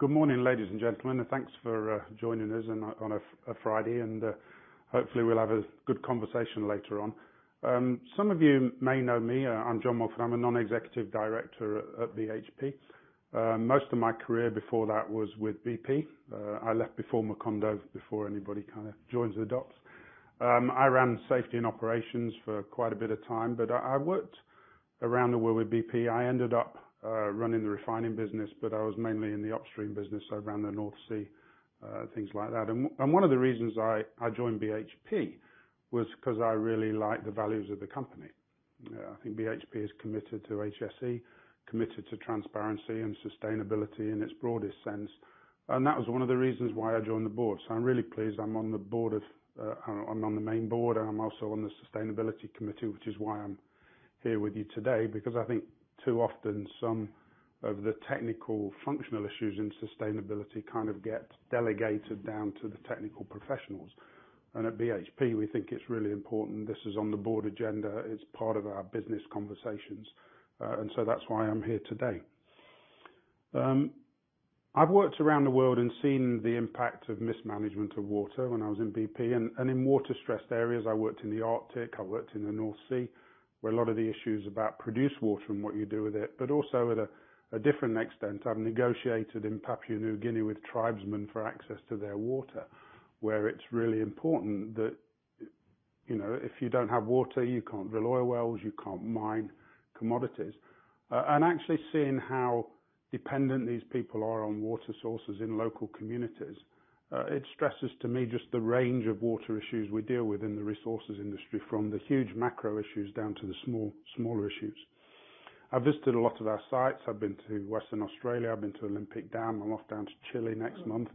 Good morning, ladies and gentlemen. Thanks for joining us on a Friday. Hopefully we'll have a good conversation later on. Some of you may know me. I'm John Moffat. I'm a non-executive director at BHP. Most of my career before that was with BP. I left before Macondo, before anybody kind of joins the dots. I ran safety and operations for quite a bit of time. I worked around the world with BP. I ended up running the refining business. I was mainly in the upstream business, so around the North Sea, things like that. One of the reasons I joined BHP was because I really like the values of the company. I think BHP is committed to HSE, committed to transparency and sustainability in its broadest sense. That was one of the reasons why I joined the board. I'm really pleased I'm on the main board. I'm also on the sustainability committee, which is why I'm here with you today. I think too often some of the technical functional issues in sustainability kind of get delegated down to the technical professionals. At BHP, we think it's really important this is on the board agenda. It's part of our business conversations. That's why I'm here today. I've worked around the world and seen the impact of mismanagement of water when I was in BP and in water-stressed areas. I worked in the Arctic, I worked in the North Sea, where a lot of the issues about produced water and what you do with it. Also at a different extent, I've negotiated in Papua New Guinea with tribesmen for access to their water, where it's really important that if you don't have water, you can't drill oil wells, you can't mine commodities. Actually seeing how dependent these people are on water sources in local communities, it stresses to me just the range of water issues we deal with in the resources industry, from the huge macro issues down to the smaller issues. I've visited a lot of our sites. I've been to Western Australia, I've been to Olympic Dam. I'm off down to Chile next month,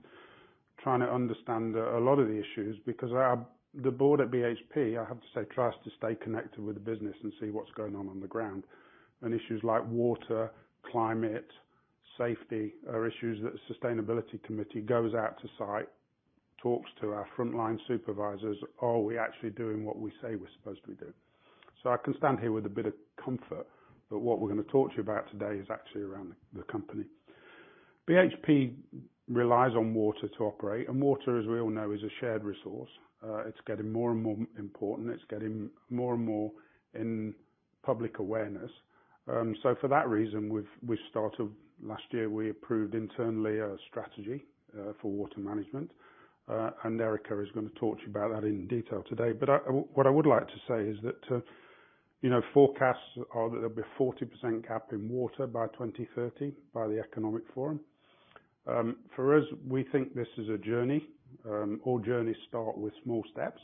trying to understand a lot of the issues. The board at BHP, I have to say, tries to stay connected with the business and see what's going on on the ground. Issues like water, climate, safety are issues that sustainability committee goes out to site, talks to our frontline supervisors. Are we actually doing what we say we're supposed to do? I can stand here with a bit of comfort that what we're going to talk to you about today is actually around the company. BHP relies on water to operate. Water, as we all know, is a shared resource. It's getting more and more important. It's getting more and more in public awareness. For that reason, last year, we approved internally a strategy for water management. Erika is going to talk to you about that in detail today. What I would like to say is that forecasts are that there'll be a 40% gap in water by 2030 by the World Economic Forum. For us, we think this is a journey. All journeys start with small steps.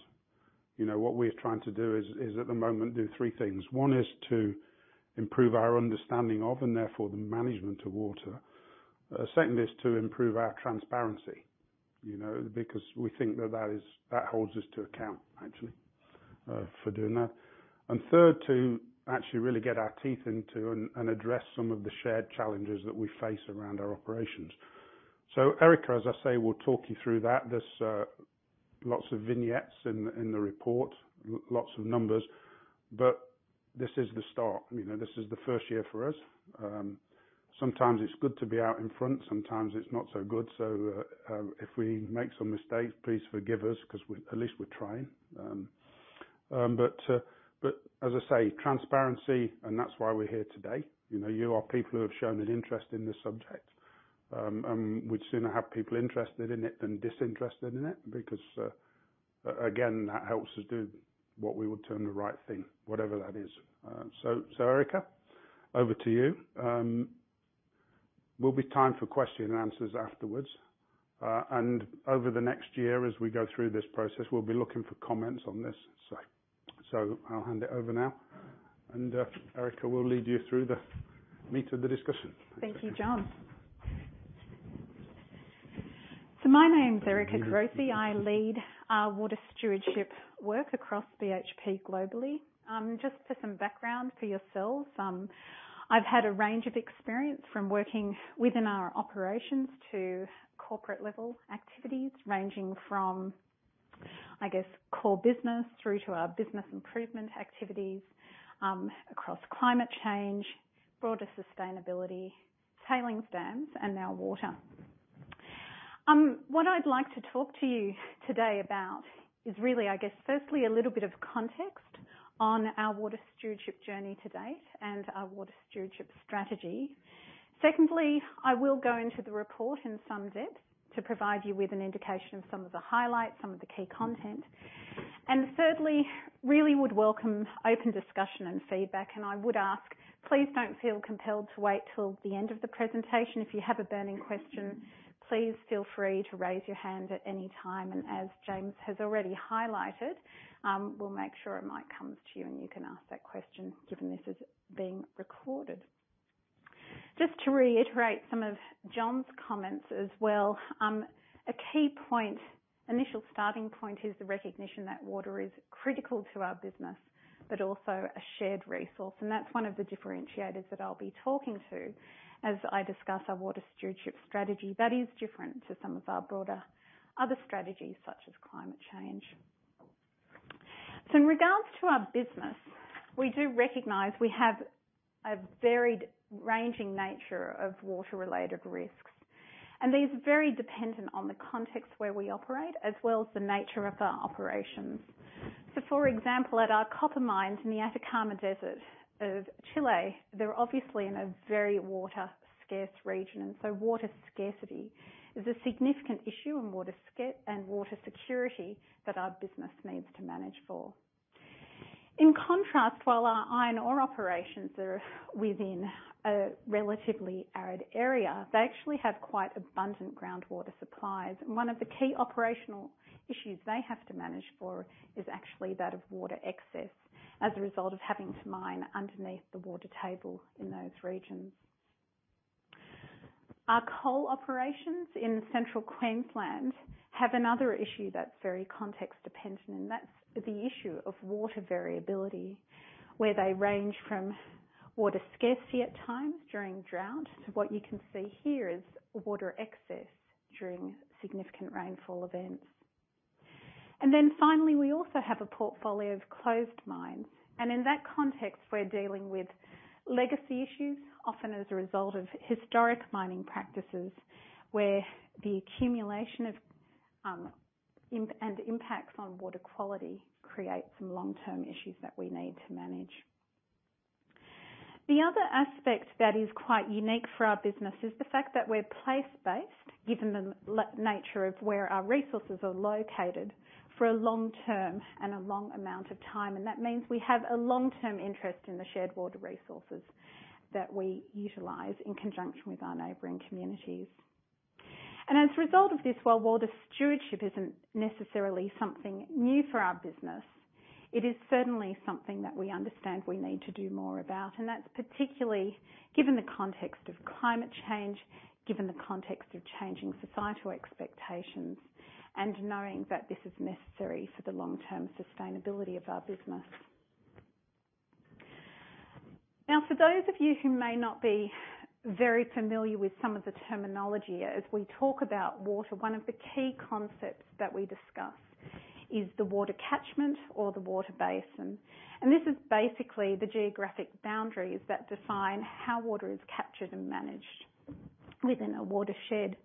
What we're trying to do is at the moment do three things. One is to improve our understanding of, and therefore the management of water. Second is to improve our transparency, because we think that holds us to account, actually, for doing that. Third, to actually really get our teeth into and address some of the shared challenges that we face around our operations. Erika, as I say, will talk you through that. There's lots of vignettes in the report, lots of numbers, but this is the start. This is the first year for us. Sometimes it's good to be out in front, sometimes it's not so good. If we make some mistakes, please forgive us, because at least we're trying. As I say, transparency, and that's why we're here today. You are people who have shown an interest in this subject. We'd sooner have people interested in it than disinterested in it, because again, that helps us do what we would term the right thing, whatever that is. Erika, over to you. There'll be time for question and answers afterwards. Over the next year as we go through this process, we'll be looking for comments on this. I'll hand it over now, and Erika will lead you through the meat of the discussion. Thank you, John. My name's Erika Korosi. I lead our water stewardship work across BHP globally. Just for some background for yourselves, I've had a range of experience from working within our operations to corporate-level activities ranging from, I guess, core business through to our business improvement activities across climate change, broader sustainability, tailing dams and now water. What I'd like to talk to you today about is really, I guess, firstly, a little bit of context on our water stewardship journey to date and our water stewardship strategy. Secondly, I will go into the report in some depth to provide you with an indication of some of the highlights, some of the key content. Thirdly, really would welcome open discussion and feedback, and I would ask, please don't feel compelled to wait till the end of the presentation. If you have a burning question, please feel free to raise your hand at any time, and as James has already highlighted, we'll make sure a mic comes to you, and you can ask that question given this is being recorded. Just to reiterate some of John's comments as well. A key point, initial starting point is the recognition that water is critical to our business, but also a shared resource, and that's one of the differentiators that I'll be talking to as I discuss our water stewardship strategy that is different to some of our broader other strategies such as climate change. In regards to our business, we do recognize we have a varied ranging nature of water-related risks, and these are very dependent on the context where we operate as well as the nature of our operations. For example, at our copper mines in the Atacama Desert of Chile, they're obviously in a very water-scarce region. Water scarcity is a significant issue and water security that our business needs to manage for. In contrast, while our iron ore operations are within a relatively arid area, they actually have quite abundant groundwater supplies. One of the key operational issues they have to manage for is actually that of water excess as a result of having to mine underneath the water table in those regions. Our coal operations in Central Queensland have another issue that's very context-dependent, and that's the issue of water variability, where they range from water scarcity at times during drought to what you can see here is water excess during significant rainfall events. Finally, we also have a portfolio of closed mines, and in that context, we're dealing with legacy issues, often as a result of historic mining practices, where the accumulation and impacts on water quality create some long-term issues that we need to manage. The other aspect that is quite unique for our business is the fact that we're place-based, given the nature of where our resources are located for a long-term and a long amount of time. That means we have a long-term interest in the shared water resources that we utilize in conjunction with our neighboring communities. As a result of this, while water stewardship isn't necessarily something new for our business, it is certainly something that we understand we need to do more about. That's particularly given the context of climate change, given the context of changing societal expectations, and knowing that this is necessary for the long-term sustainability of our business. Now, for those of you who may not be very familiar with some of the terminology as we talk about water, one of the key concepts that we discuss is the water catchment or the water basin. This is basically the geographic boundaries that define how water is captured and managed within a watershed.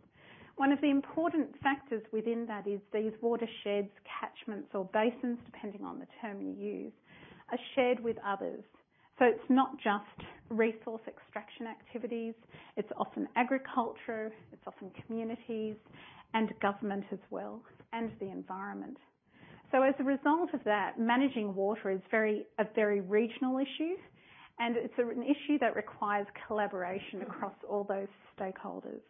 One of the important factors within that is these watersheds, catchments, or basins, depending on the term you use, are shared with others. It's not just resource extraction activities. It's often agriculture, it's often communities, and government as well, and the environment. As a result of that, managing water is a very regional issue and it's an issue that requires collaboration across all those stakeholders.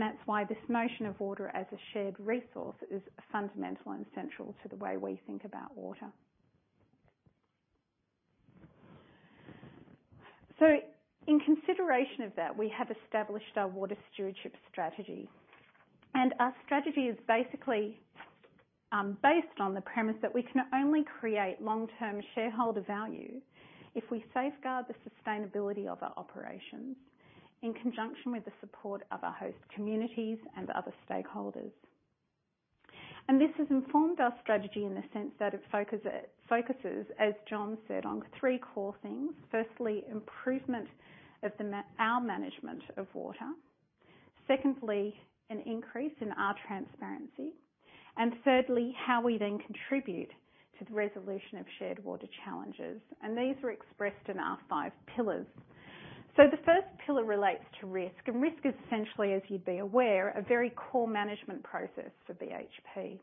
That's why this notion of water as a shared resource is fundamental and central to the way we think about water. In consideration of that, we have established our water stewardship strategy. Our strategy is basically based on the premise that we can only create long-term shareholder value if we safeguard the sustainability of our operations in conjunction with the support of our host communities and other stakeholders. This has informed our strategy in the sense that it focuses, as John said, on three core things. Firstly, improvement of our management of water. Secondly, an increase in our transparency. Thirdly, how we then contribute to the resolution of shared water challenges. These are expressed in our five pillars. The first pillar relates to risk, and risk is essentially, as you'd be aware, a very core management process for BHP.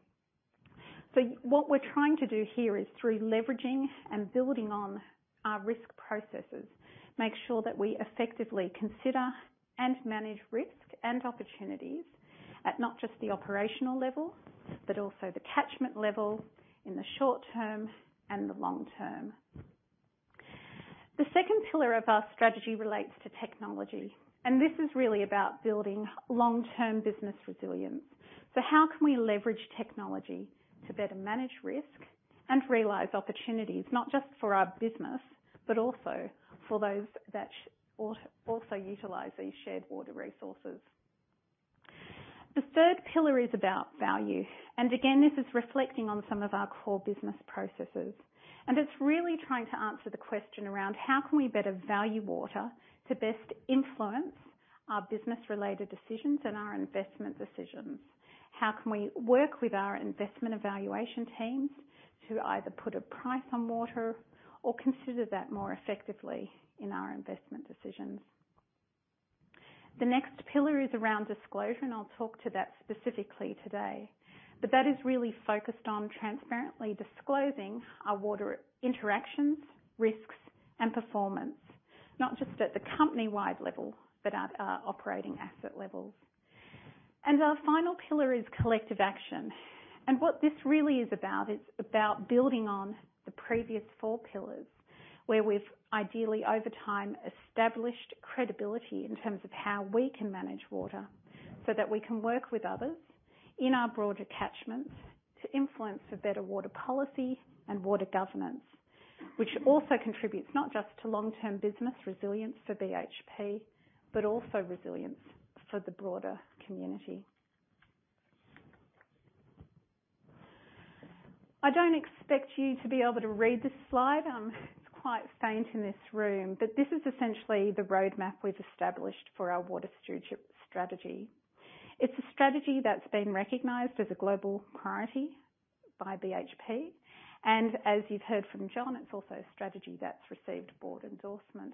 What we're trying to do here is through leveraging and building on our risk processes, make sure that we effectively consider and manage risk and opportunities at not just the operational level, but also the catchment level in the short term and the long term. The second pillar of our strategy relates to technology, and this is really about building long-term business resilience. How can we leverage technology to better manage risk and realize opportunities, not just for our business, but also for those that also utilize these shared water resources? The third pillar is about value. Again, this is reflecting on some of our core business processes, and it's really trying to answer the question around how can we better value water to best influence our business-related decisions and our investment decisions? How can we work with our investment evaluation teams to either put a price on water or consider that more effectively in our investment decisions? The next pillar is around disclosure, and I'll talk to that specifically today. That is really focused on transparently disclosing our water interactions, risks, and performance, not just at the company-wide level, but at our operating asset levels. Our final pillar is collective action. What this really is about is about building on the previous four pillars, where we've ideally over time established credibility in terms of how we can manage water so that we can work with others in our broader catchments to influence a better water policy and water governance, which also contributes not just to long-term business resilience for BHP, but also resilience for the broader community. I don't expect you to be able to read this slide. It's quite faint in this room, but this is essentially the roadmap we've established for our water stewardship strategy. It's a strategy that's been recognized as a global priority by BHP. As you've heard from John, it's also a strategy that's received board endorsement.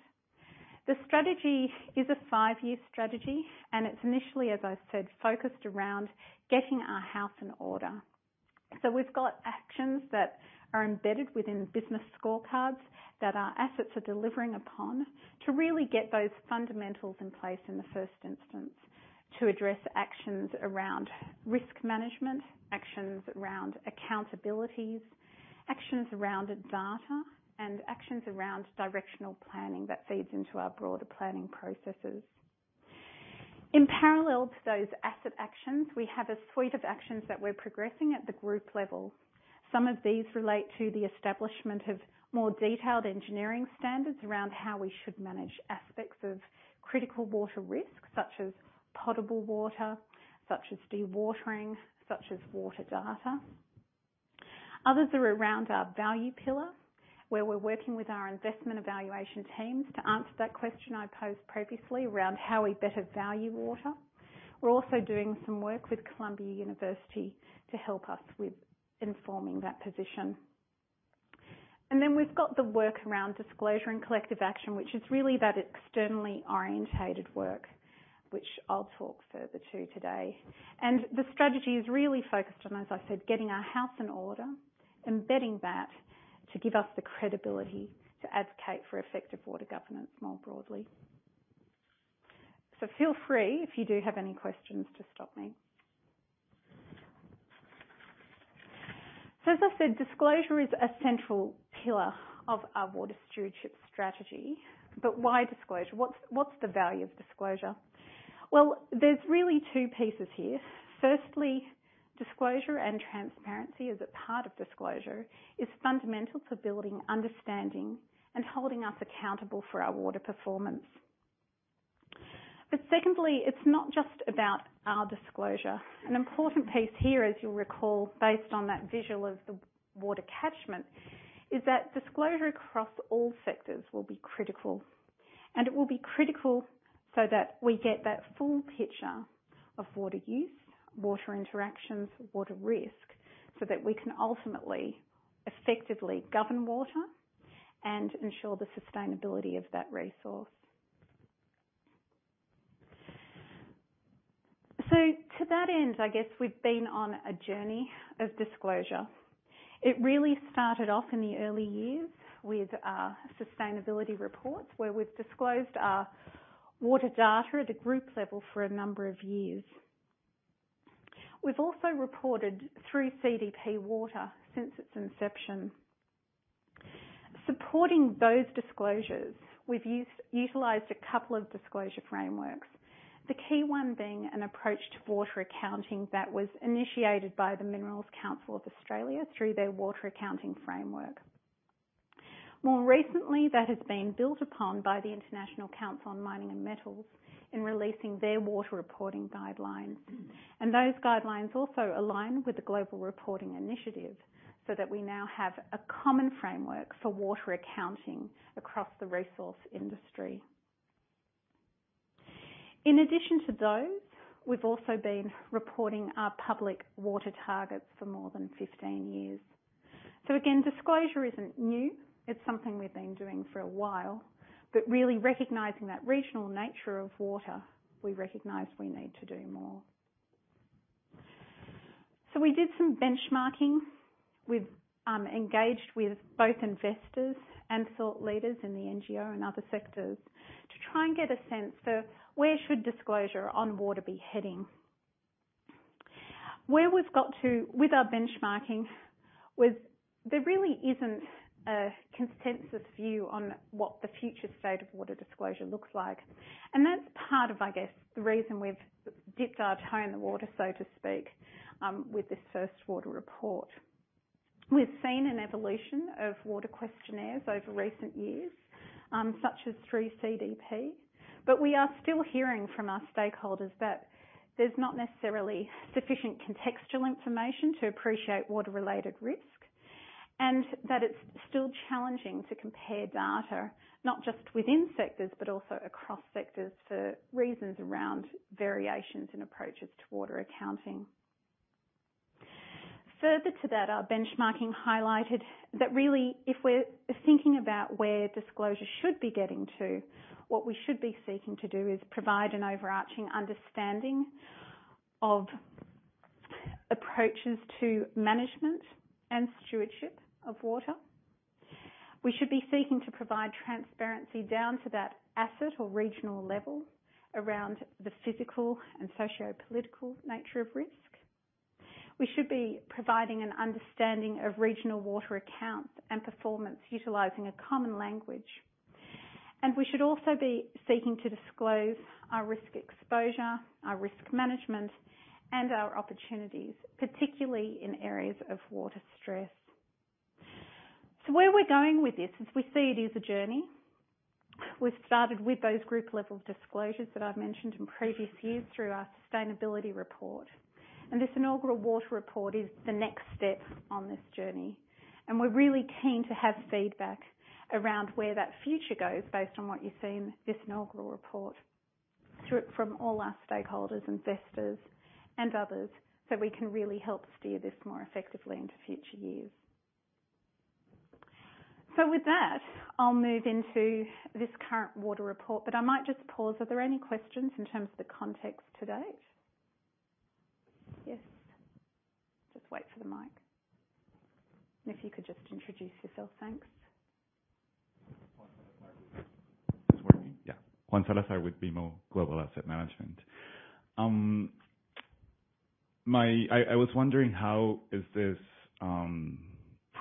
The strategy is a five-year strategy, and it's initially, as I said, focused around getting our house in order. We've got actions that are embedded within business scorecards that our assets are delivering upon to really get those fundamentals in place in the first instance to address actions around risk management, actions around accountabilities, actions around data, and actions around directional planning that feeds into our broader planning processes. In parallel to those asset actions, we have a suite of actions that we're progressing at the group level. Some of these relate to the establishment of more detailed engineering standards around how we should manage aspects of critical water risk, such as potable water, such as dewatering, such as water data. Others are around our value pillar, where we're working with our investment evaluation teams to answer that question I posed previously around how we better value water. We're also doing some work with Columbia University to help us with informing that position. We've got the work around disclosure and collective action, which is really that externally orientated work, which I'll talk further to today. The strategy is really focused on, as I said, getting our house in order, embedding that to give us the credibility to advocate for effective water governance more broadly. Feel free if you do have any questions, to stop me. As I said, disclosure is a central pillar of our water stewardship strategy. Why disclosure? What's the value of disclosure? There's really two pieces here. Firstly, disclosure and transparency as a part of disclosure is fundamental for building understanding and holding us accountable for our water performance. Secondly, it's not just about our disclosure. An important piece here, as you'll recall, based on that visual of the water catchment, is that disclosure across all sectors will be critical. It will be critical so that we get that full picture of water use, water interactions, water risk, so that we can ultimately effectively govern water and ensure the sustainability of that resource. To that end, I guess we've been on a journey of disclosure. It really started off in the early years with our sustainability reports where we've disclosed our water data at a group level for a number of years. We've also reported through CDP Water since its inception. Supporting those disclosures, we've utilized a couple of disclosure frameworks, the key one being an approach to water accounting that was initiated by the Minerals Council of Australia through their Water Accounting Framework. More recently, that has been built upon by the International Council on Mining and Metals in releasing their ICMM Water Reporting Guidelines. Those guidelines also align with the Global Reporting Initiative, so that we now have a common framework for water accounting across the resource industry. In addition to those, we've also been reporting our public water targets for more than 15 years. Again, disclosure isn't new. It's something we've been doing for a while, but really recognizing that regional nature of water, we recognize we need to do more. We did some benchmarking. We've engaged with both investors and thought leaders in the NGO and other sectors to try and get a sense for where should disclosure on water be heading. Where we've got to with our benchmarking was there really isn't a consensus view on what the future state of water disclosure looks like. That's part of, I guess, the reason we've dipped our toe in the water, so to speak, with this first water report. We've seen an evolution of water questionnaires over recent years, such as through CDP. We are still hearing from our stakeholders that there's not necessarily sufficient contextual information to appreciate water-related risk, and that it's still challenging to compare data, not just within sectors, but also across sectors for reasons around variations in approaches to water accounting. Further to that, our benchmarking highlighted that really if we're thinking about where disclosure should be getting to, what we should be seeking to do is provide an overarching understanding of approaches to management and stewardship of water. We should be seeking to provide transparency down to that asset or regional level around the physical and sociopolitical nature of risk. We should be providing an understanding of regional water accounts and performance utilizing a common language. We should also be seeking to disclose our risk exposure, our risk management, and our opportunities, particularly in areas of water stress. Where we're going with this is we see it as a journey. We've started with those group level disclosures that I've mentioned in previous years through our sustainability report. This inaugural water report is the next step on this journey, and we're really keen to have feedback around where that future goes based on what you see in this inaugural report from all our stakeholders, investors, and others, so we can really help steer this more effectively into future years. With that, I'll move into this current water report, but I might just pause. Are there any questions in terms of the context to date? Yes. Just wait for the mic. If you could just introduce yourself. Thanks. Juan Salazar with BMO Global Asset Management. I was wondering how is this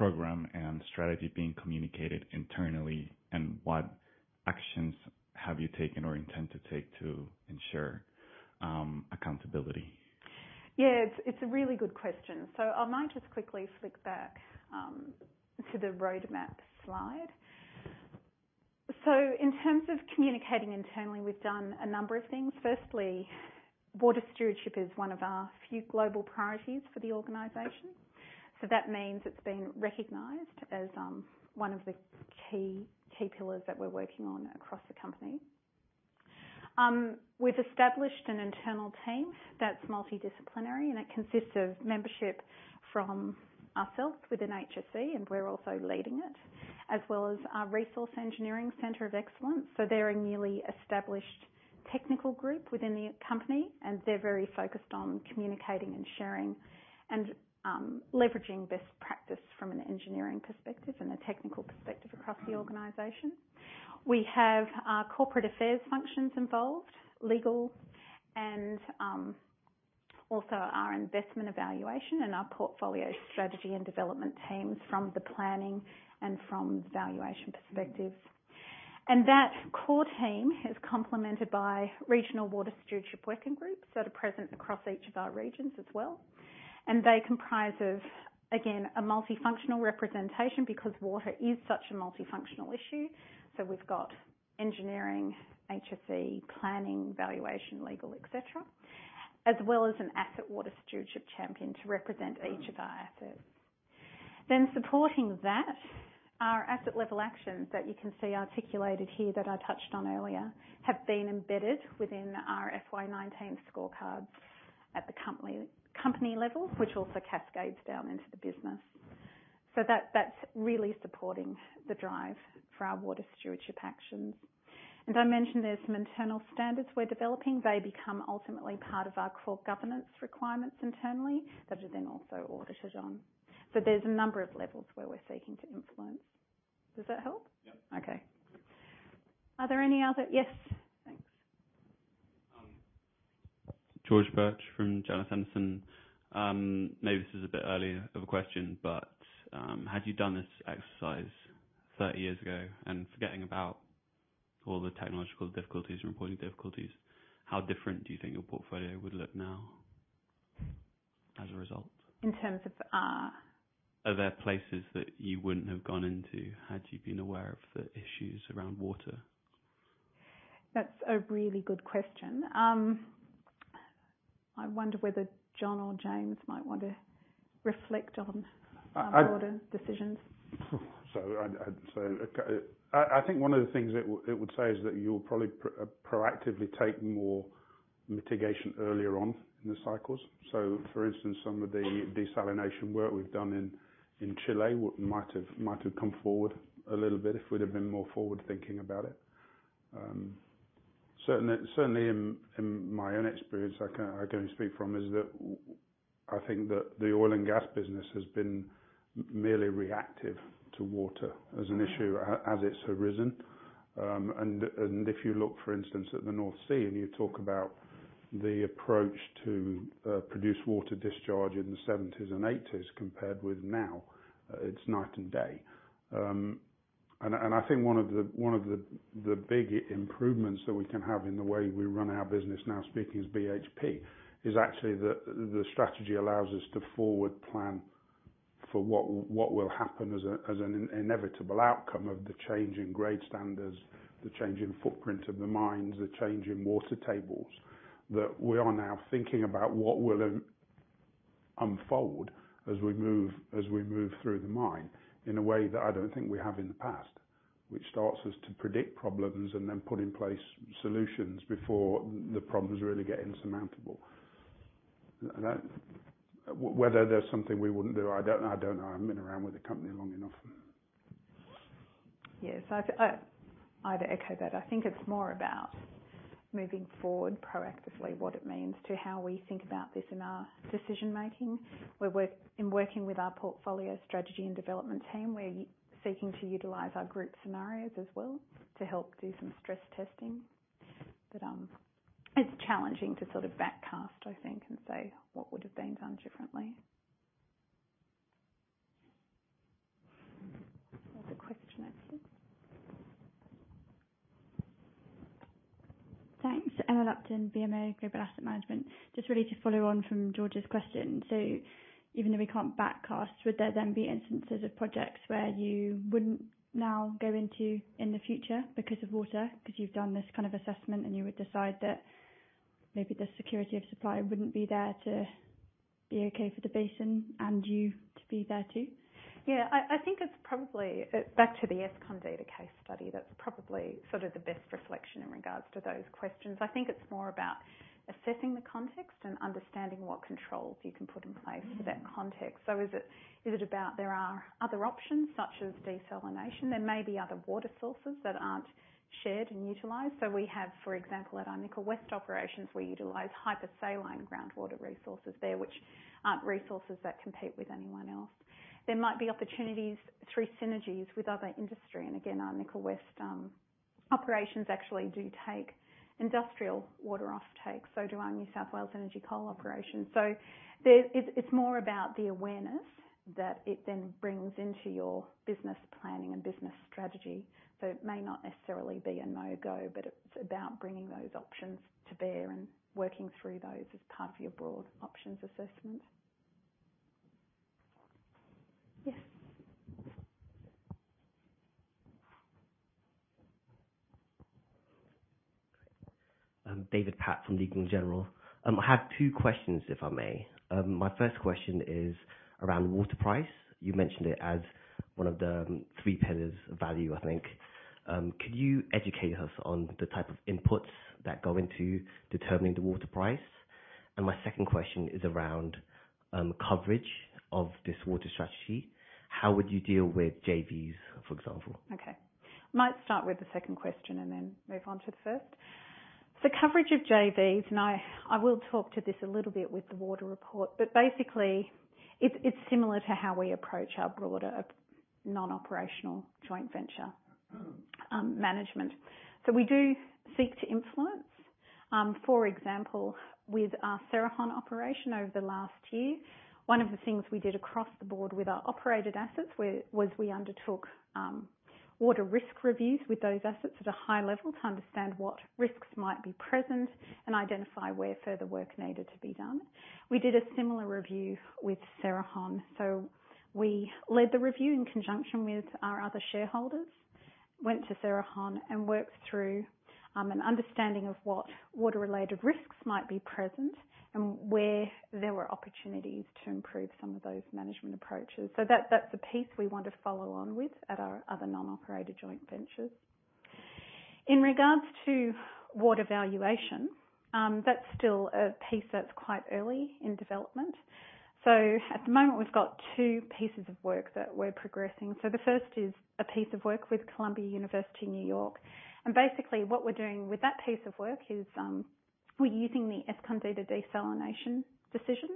program and strategy being communicated internally, and what actions have you taken or intend to take to ensure accountability? It's a really good question. I might just quickly flick back to the roadmap slide. In terms of communicating internally, we've done a number of things. Firstly, water stewardship is one of our few global priorities for the organization. That means it's been recognized as one of the key pillars that we're working on across the company. We've established an internal team that's multidisciplinary, and it consists of membership from ourselves within HSE, and we're also leading it, as well as our Resource Centre of Excellence. They're a newly established technical group within the company, and they're very focused on communicating and sharing and leveraging best practice from an engineering perspective and a technical perspective across the organization. We have our corporate affairs functions involved, legal, and also our investment evaluation and our portfolio strategy and development teams from the planning and from valuation perspectives. That core team is complemented by regional water stewardship working groups that are present across each of our regions as well. They comprise of, again, a multifunctional representation because water is such a multifunctional issue. We've got engineering, HSE, planning, valuation, legal, et cetera, as well as an asset water stewardship champion to represent each of our assets. Supporting that are asset level actions that you can see articulated here that I touched on earlier, have been embedded within our FY 2019 scorecards at the company level, which also cascades down into the business. That's really supporting the drive for our water stewardship actions. I mentioned there's some internal standards we're developing. They become ultimately part of our core governance requirements internally that are then also audited on. There's a number of levels where we're seeking to influence. Does that help? Yep. Okay. Are there any other Yes. Thanks. George Birch from Janus Henderson. Maybe this is a bit early of a question, but had you done this exercise 30 years ago and forgetting about all the technological difficulties and reporting difficulties, how different do you think your portfolio would look now as a result? In terms of our? Are there places that you wouldn't have gone into had you been aware of the issues around water? That's a really good question. I wonder whether John or James might want to reflect on our water decisions. I think one of the things it would say is that you'll probably proactively take more mitigation earlier on in the cycles. For instance, some of the desalination work we've done in Chile might have come forward a little bit if we'd have been more forward-thinking about it. Certainly in my own experience, I can only speak from, is that I think that the oil and gas business has been merely reactive to water as an issue as it's arisen. If you look, for instance, at the North Sea, and you talk about the approach to produced water discharge in the 1970s and 1980s compared with now, it's night and day. I think one of the big improvements that we can have in the way we run our business now, speaking as BHP, is actually that the strategy allows us to forward plan for what will happen as an inevitable outcome of the change in grade standards, the change in footprint of the mines, the change in water tables. That we are now thinking about what will unfold as we move through the mine in a way that I don't think we have in the past, which starts us to predict problems and then put in place solutions before the problems really get insurmountable. Whether there's something we wouldn't do, I don't know. I haven't been around with the company long enough. I'd echo that. I think it's more about moving forward proactively, what it means to how we think about this in our decision-making. In working with our portfolio strategy and development team, we're seeking to utilize our group scenarios as well to help do some stress testing. It's challenging to sort of back cast, I think, and say what would have been done differently. Thanks. Emma Lupton, BMO Global Asset Management. Just really to follow on from George's question. Even though we can't back cast, would there then be instances of projects where you wouldn't now go into in the future because of water? Because you've done this kind of assessment, and you would decide that maybe the security of supply wouldn't be there to be okay for the basin and you to be there too. Yeah. I think it's probably back to the Escondida case study that's probably sort of the best reflection in regards to those questions. I think it's more about assessing the context and understanding what controls you can put in place for that context. Is it about there are other options such as desalination? There may be other water sources that aren't shared and utilized. We have, for example, at our Nickel West operations, we utilize hypersaline groundwater resources there, which aren't resources that compete with anyone else. There might be opportunities through synergies with other industry, and again, our Nickel West operations actually do take industrial water off takes. Do our New South Wales Energy coal operations. It's more about the awareness that it then brings into your business planning and business strategy. It may not necessarily be a no-go, but it's about bringing those options to bear and working through those as part of your broad options assessment. Yes. David Sherratt from Legal & General. I have two questions, if I may. My first question is around water price. You mentioned it as one of the three pillars of value, I think. Could you educate us on the type of inputs that go into determining the water price? My second question is around coverage of this water strategy. How would you deal with JVs, for example? Okay. Might start with the second question and then move on to the first. The coverage of JVs, and I will talk to this a little bit with the water report, but basically it's similar to how we approach our broader non-operational joint venture management. We do seek to influence. For example, with our Cerrejón operation over the last year, one of the things we did across the board with our operated assets was we undertook water risk reviews with those assets at a high level to understand what risks might be present and identify where further work needed to be done. We did a similar review with Cerrejón. We led the review in conjunction with our other shareholders, went to Cerrejón and worked through an understanding of what water-related risks might be present and where there were opportunities to improve some of those management approaches. That's a piece we want to follow on with at our other non-operated joint ventures. In regards to water valuation, that's still a piece that's quite early in development. At the moment, we've got two pieces of work that we're progressing. The first is a piece of work with Columbia University in New York, and basically what we're doing with that piece of work is, we're using the Escondida desalination decision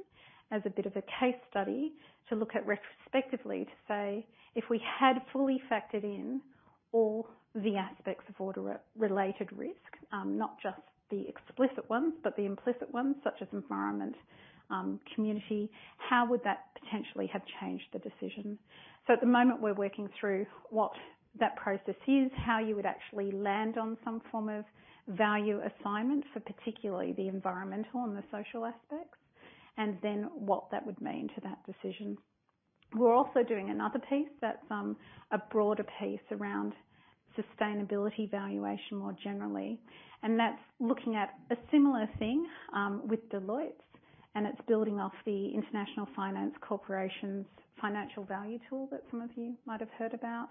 as a bit of a case study to look at retrospectively to say if we had fully factored in all the aspects of water-related risk, not just the explicit ones, but the implicit ones such as environment, community, how would that potentially have changed the decision? At the moment, we're working through what that process is, how you would actually land on some form of value assignment for particularly the environmental and the social aspects, and then what that would mean to that decision. We're also doing another piece that's a broader piece around sustainability valuation more generally, and that's looking at a similar thing, with Deloitte, and it's building off the International Finance Corporation's financial value tool that some of you might have heard about,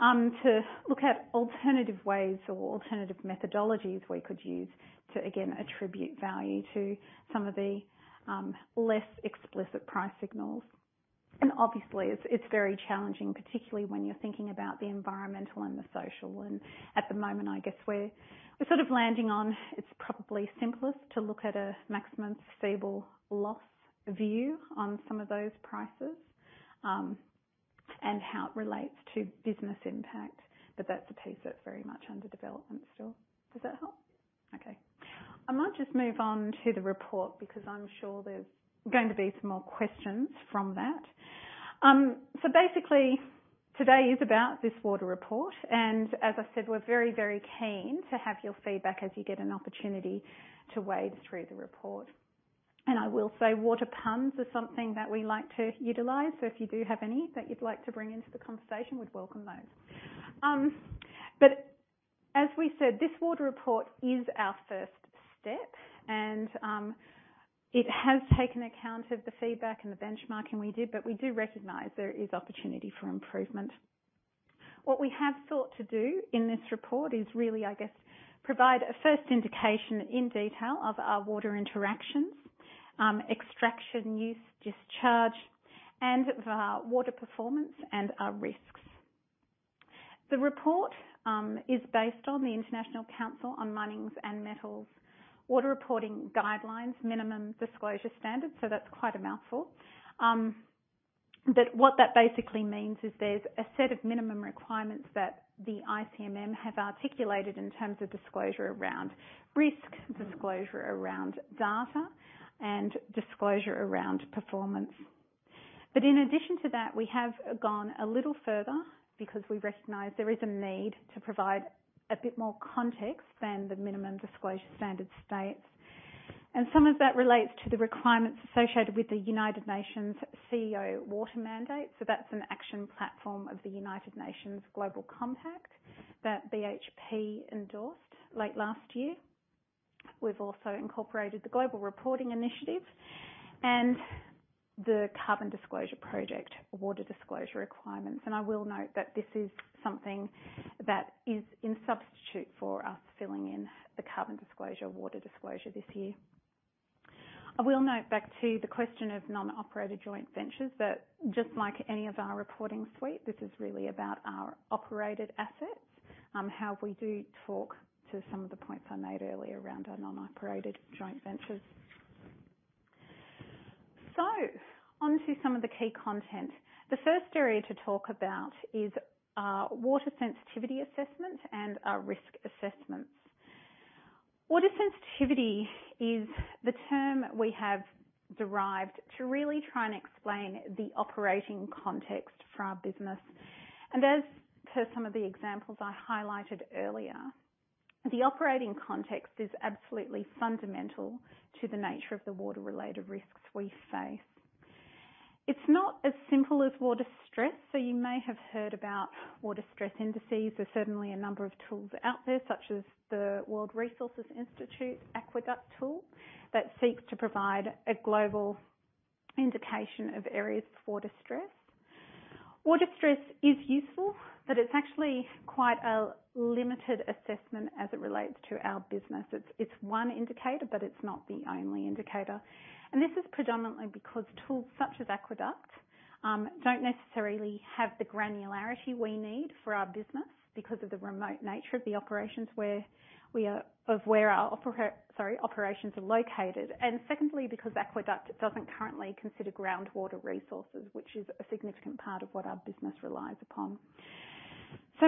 to look at alternative ways or alternative methodologies we could use to again attribute value to some of the less explicit price signals. Obviously, it's very challenging, particularly when you're thinking about the environmental and the social. At the moment, I guess we're sort of landing on it's probably simplest to look at a maximum foreseeable loss view on some of those prices, and how it relates to business impact. That's a piece that's very much under development still. Does that help? Okay. I might just move on to the report because I'm sure there's going to be some more questions from that. Basically, today is about this water report, and as I said, we're very keen to have your feedback as you get an opportunity to wade through the report. I will say water puns are something that we like to utilize. If you do have any that you'd like to bring into the conversation, we'd welcome those. As we said, this water report is our first step and it has taken account of the feedback and the benchmarking we did, but we do recognize there is opportunity for improvement. What we have sought to do in this report is really, I guess, provide a first indication in detail of our water interactions, extraction, use, discharge, and of our water performance and our risks. The report is based on the International Council on Mining and Metals Water Reporting Guidelines Minimum Disclosure Standard. That's quite a mouthful. What that basically means is there's a set of minimum requirements that the ICMM have articulated in terms of disclosure around risk, disclosure around data, and disclosure around performance. In addition to that, we have gone a little further because we recognize there is a need to provide a bit more context than the Minimum Disclosure Standard states. Some of that relates to the requirements associated with the United Nations CEO Water Mandate. That's an action platform of the United Nations Global Compact that BHP endorsed late last year. We've also incorporated the Global Reporting Initiative and the Carbon Disclosure Project water disclosure requirements. I will note that this is something that is in substitute for us filling in the carbon disclosure, water disclosure this year. I will note back to the question of non-operated joint ventures that just like any of our reporting suite, this is really about our operated assets, how we do talk to some of the points I made earlier around our non-operated joint ventures. On to some of the key content. The first area to talk about is our water sensitivity assessment and our risk assessments. Water sensitivity is the term we have derived to really try and explain the operating context for our business. As per some of the examples I highlighted earlier, the operating context is absolutely fundamental to the nature of the water-related risks we face. It's not as simple as water stress, you may have heard about water stress indices. There's certainly a number of tools out there, such as the World Resources Institute Aqueduct tool that seeks to provide a global indication of areas of water stress. Water stress is useful, it's actually quite a limited assessment as it relates to our business. It's one indicator, it's not the only indicator. This is predominantly because tools such as Aqueduct don't necessarily have the granularity we need for our business because of the remote nature of the operations where our operations are located. Secondly, because Aqueduct doesn't currently consider groundwater resources, which is a significant part of what our business relies upon.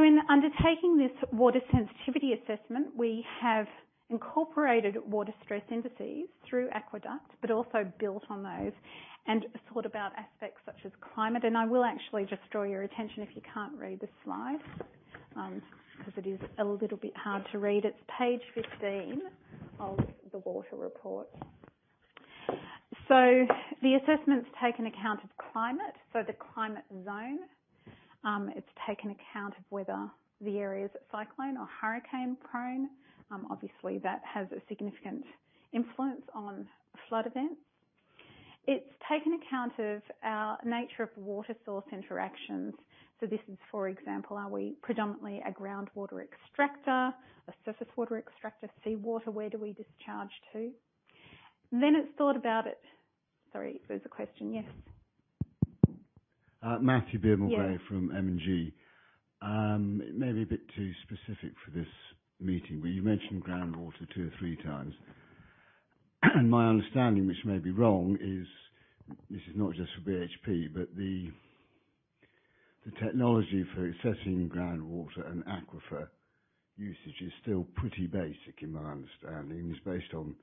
In undertaking this water sensitivity assessment, we have incorporated water stress indices through Aqueduct, but also built on those and thought about aspects such as climate. I will actually just draw your attention if you can't read the slide, because it is a little bit hard to read. It's page 15 of the water report. The assessment's taken account of climate, so the climate zone. It's taken account of whether the area is cyclone or hurricane prone. Obviously, that has a significant influence on flood events. It's taken account of our nature of water source interactions. This is, for example, are we predominantly a groundwater extractor, a surface water extractor, seawater, where do we discharge to? Sorry, there was a question. Yes. Matthew Beardmore-Gray from M&G. Yeah. It may be a bit too specific for this meeting, but you mentioned groundwater two or three times. My understanding, which may be wrong, is this is not just for BHP, but the technology for assessing groundwater and aquifer usage is still pretty basic in my understanding. It's based on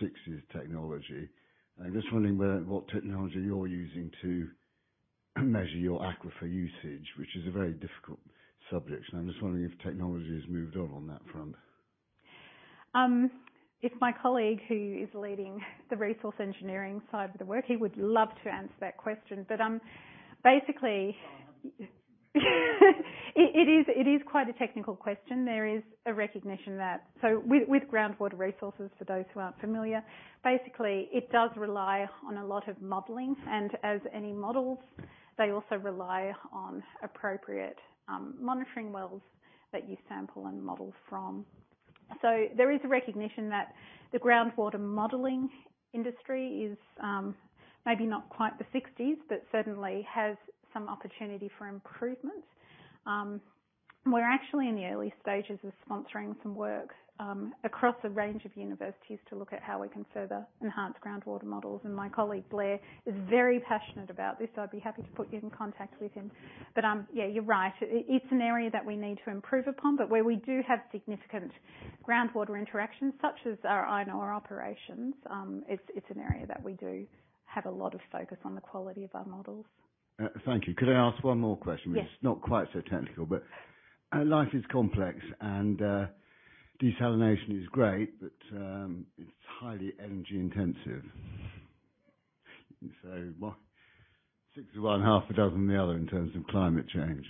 1960s technology. I'm just wondering what technology you're using to measure your aquifer usage, which is a very difficult subject, and I'm just wondering if technology has moved on that front. If my colleague who is leading the resource engineering side of the work, he would love to answer that question. Basically. Oh, I'm. It is quite a technical question. There is a recognition that with groundwater resources, for those who aren't familiar, basically, it does rely on a lot of modeling, and as any models, they also rely on appropriate monitoring wells that you sample and model from. There is a recognition that the groundwater modeling industry is, maybe not quite the sixties, but certainly has some opportunity for improvement. We're actually in the early stages of sponsoring some work across a range of universities to look at how we can further enhance groundwater models, and my colleague Blair is very passionate about this. I'd be happy to put you in contact with him. Yeah, you're right. It's an area that we need to improve upon, but where we do have significant groundwater interactions, such as our iron ore operations, it's an area that we do have a lot of focus on the quality of our models. Thank you. Could I ask one more question? Yes. Which is not quite so technical, but life is complex and desalination is great, but it's highly energy intensive. Six of one, half a dozen of the other in terms of climate change.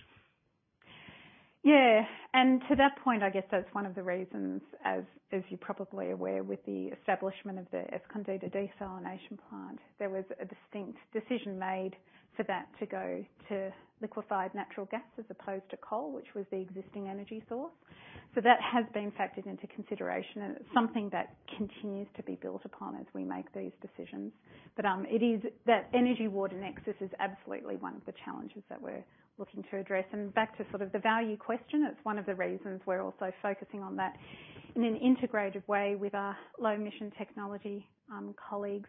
Yeah. To that point, I guess that's one of the reasons, as you're probably aware, with the establishment of the Escondida Desalination Plant, there was a distinct decision made for that to go to liquefied natural gas as opposed to coal, which was the existing energy source. That has been factored into consideration, and it's something that continues to be built upon as we make these decisions. That energy water nexus is absolutely one of the challenges that we're looking to address. Back to sort of the value question, it's one of the reasons we're also focusing on that in an integrated way with our low emission technology colleagues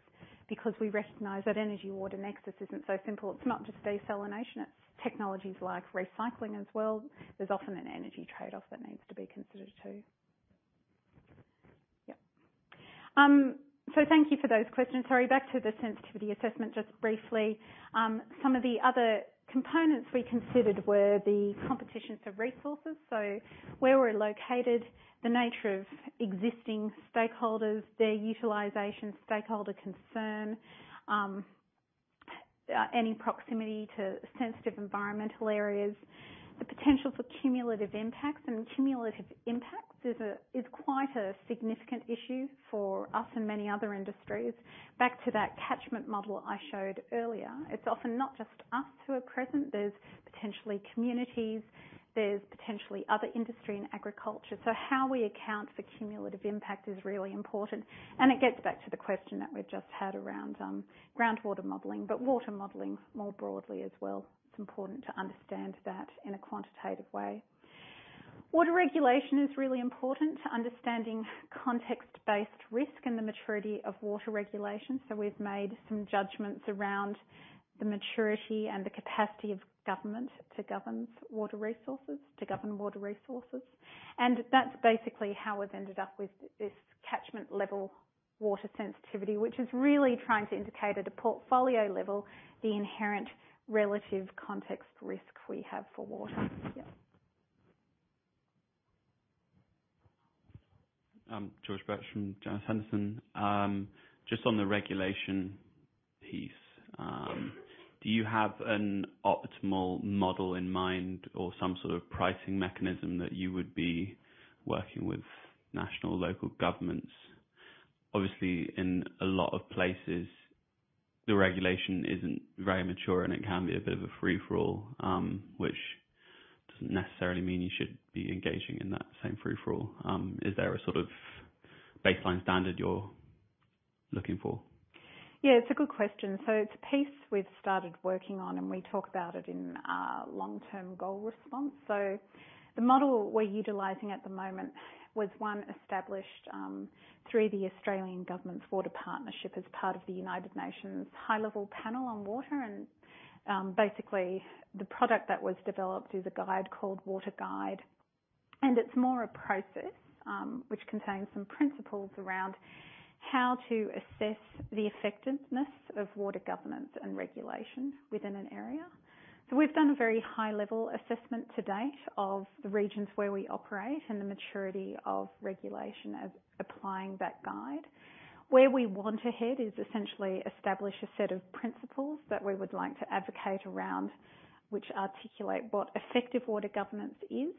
because we recognize that energy water nexus isn't so simple. It's not just desalination, it's technologies like recycling as well. There's often an energy trade-off that needs to be considered, too. Thank you for those questions. Sorry, back to the sensitivity assessment, just briefly. Some of the other components we considered were the competition for resources. Where we're located, the nature of existing stakeholders, their utilization, stakeholder concern, any proximity to sensitive environmental areas, the potential for cumulative impacts. Cumulative impacts is quite a significant issue for us and many other industries. Back to that catchment model I showed earlier. It's often not just us who are present. There's potentially communities, there's potentially other industry and agriculture. How we account for cumulative impact is really important, and it gets back to the question that we've just had around groundwater modeling, water modeling more broadly as well. It's important to understand that in a quantitative way. Water regulation is really important to understanding context-based risk and the maturity of water regulation. We've made some judgments around the maturity and the capacity of government to govern water resources. That's basically how we've ended up with this catchment level water sensitivity, which is really trying to indicate at a portfolio level the inherent relative context risk we have for water. Yeah. George Birch from Janus Henderson. On the regulation piece, do you have an optimal model in mind or some sort of pricing mechanism that you would be working with national, local governments? Obviously, in a lot of places, the regulation isn't very mature, and it can be a bit of a free-for-all, which doesn't necessarily mean you should be engaging in that same free-for-all. Is there a sort of baseline standard you're looking for? Yeah, it's a good question. It's a piece we've started working on, and we talk about it in our long-term goal response. The model we're utilizing at the moment was one established through the Australian Water Partnership as part of the High-Level Panel on Water and basically the product that was developed is a guide called WaterGuide, and it's more a process, which contains some principles around how to assess the effectiveness of water governance and regulation within an area. We've done a very high-level assessment to date of the regions where we operate and the maturity of regulation as applying that guide. Where we want to head is essentially establish a set of principles that we would like to advocate around, which articulate what effective water governance is.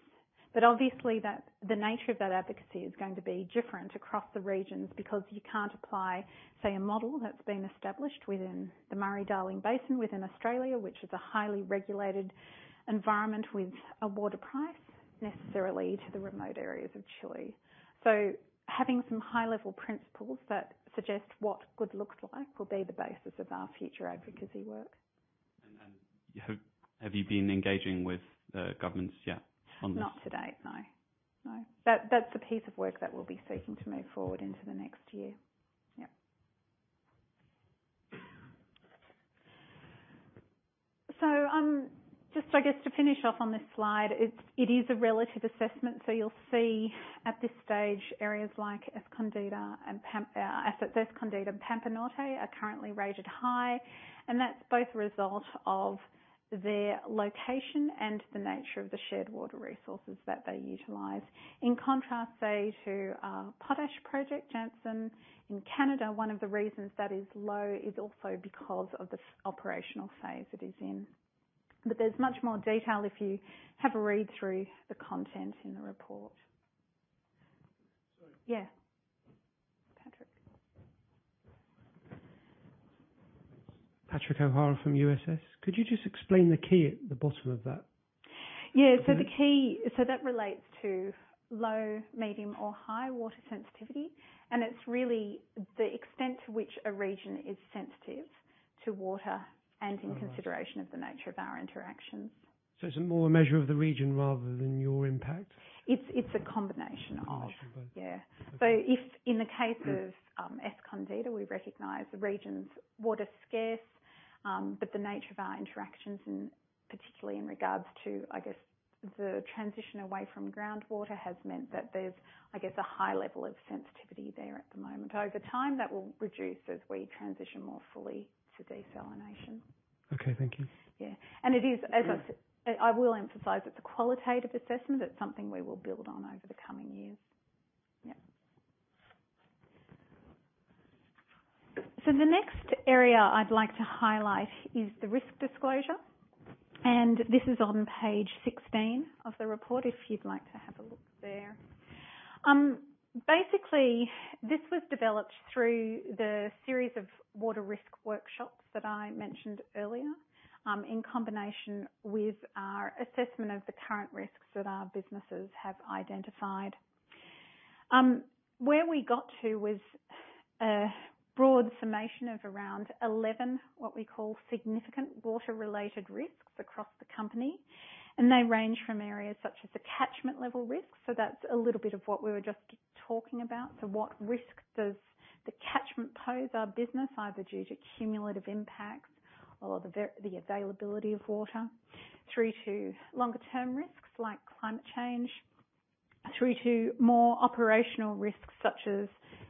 Obviously, the nature of that advocacy is going to be different across the regions because you can't apply, say, a model that's been established within the Murray-Darling Basin within Australia, which is a highly regulated environment with a water price necessarily to the remote areas of Chile. Having some high-level principles that suggest what good looks like will be the basis of our future advocacy work. Have you been engaging with governments yet on this? Not to date, no. That's a piece of work that we'll be seeking to move forward into the next year. Yep. Just I guess to finish off on this slide, it is a relative assessment, so you'll see at this stage areas like Escondida and Pampa Norte are currently rated high, and that's both a result of their location and the nature of the shared water resources that they utilize. In contrast, say, to, Potash project, Jansen in Canada, one of the reasons that is low is also because of the operational phase it is in. There's much more detail if you have a read through the content in the report. Sorry. Yeah. Patrick. Patrick O'Hara from USS. Could you just explain the key at the bottom of that? Yeah. The key, so that relates to low, medium, or high water sensitivity, and it's really the extent to which a region is sensitive to water and in consideration of the nature of our interactions. It's more a measure of the region rather than your impact? It's a combination of. Combination of both. Yeah. If in the case of Escondida, we recognize the region's water scarce, but the nature of our interactions, and particularly in regards to, I guess, the transition away from groundwater, has meant that there's, I guess, a high level of sensitivity there at the moment. Over time, that will reduce as we transition more fully to desalination. Okay. Thank you. Yeah. It is, as I've said. I will emphasize it's a qualitative assessment, but something we will build on over the coming years. Yep. The next area I'd like to highlight is the risk disclosure, and this is on page 16 of the report, if you'd like to have a look there. Basically, this was developed through the series of water risk workshops that I mentioned earlier, in combination with our assessment of the current risks that our businesses have identified. Where we got to was a broad summation of around 11, what we call significant water-related risks across the company, and they range from areas such as the catchment level risk. That's a little bit of what we were just talking about. What risks does the catchment pose our business, either due to cumulative impacts or the availability of water, through to longer-term risks like climate change, through to more operational risks such as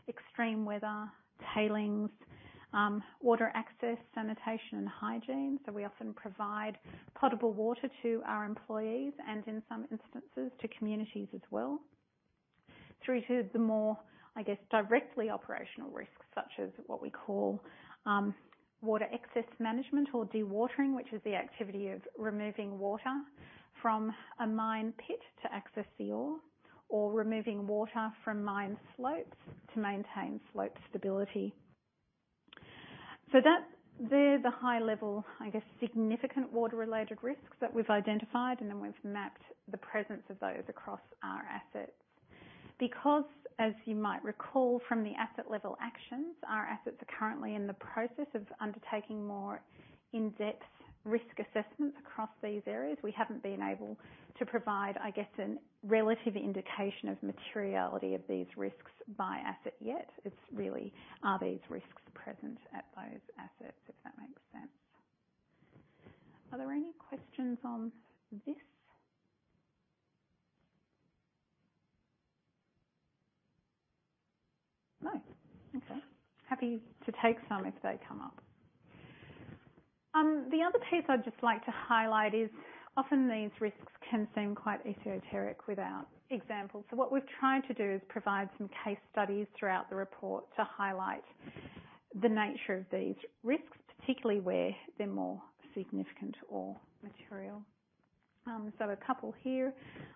extreme weather, tailings, water access, sanitation, and hygiene. We often provide potable water to our employees and, in some instances, to communities as well. Through to the more, I guess, directly operational risks, such as what we call water excess management or dewatering, which is the activity of removing water from a mine pit to access the ore, or removing water from mine slopes to maintain slope stability. They're the high-level, I guess, significant water-related risks that we've identified, and then we've mapped the presence of those across our assets. Because, as you might recall from the asset level actions, our assets are currently in the process of undertaking more in-depth risk assessments across these areas. We haven't been able to provide, I guess, a relative indication of materiality of these risks by asset yet. It's really, are these risks present at those assets? If that makes sense. Are there any questions on this? No. Okay. Happy to take some if they come up. The other piece I'd just like to highlight is often these risks can seem quite esoteric without examples. What we've tried to do is provide some case studies throughout the report to highlight the nature of these risks, particularly where they're more significant or material. A couple here.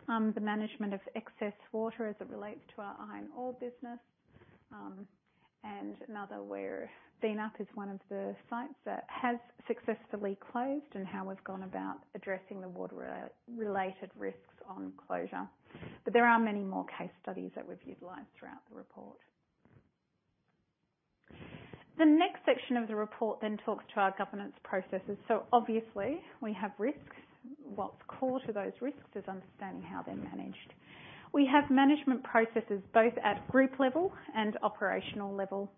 The management of excess water as it relates to our iron ore business, and another where [inaudible] is one of the sites that has successfully closed and how we've gone about addressing the water-related risks on closure. There are many more case studies that we've utilized throughout the report. The next section of the report talks to our governance processes. Obviously we have risks. What's core to those risks is understanding how they're managed. We have management processes both at group level and operational level.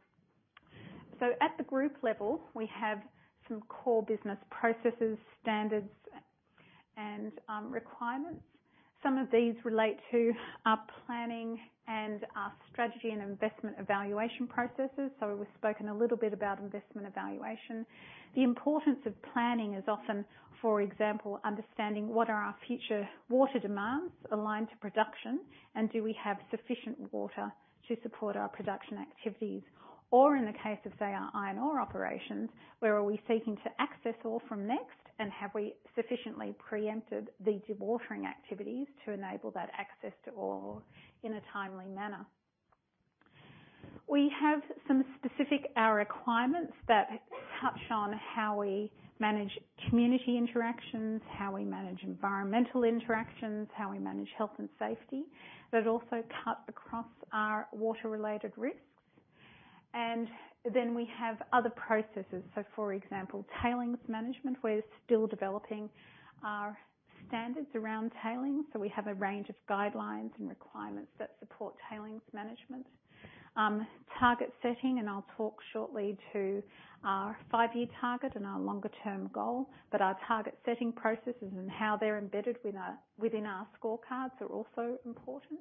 At the group level, we have some core business processes, standards, and requirements. Some of these relate to our planning and our strategy and investment evaluation processes. We've spoken a little bit about investment evaluation. The importance of planning is often, for example, understanding what are our future water demands aligned to production, and do we have sufficient water to support our production activities? In the case of, say, our iron ore operations, where are we seeking to access ore from next, and have we sufficiently preempted the dewatering activities to enable that access to ore in a timely manner? We have some specific requirements that touch on how we manage community interactions, how we manage environmental interactions, how we manage health and safety, that also cut across our water-related risks. We have other processes. For example, tailings management. We're still developing our standards around tailings, so we have a range of guidelines and requirements that support tailings management. Target setting, and I'll talk shortly to our five-year target and our longer-term goal. Our target setting processes and how they're embedded within our scorecards are also important.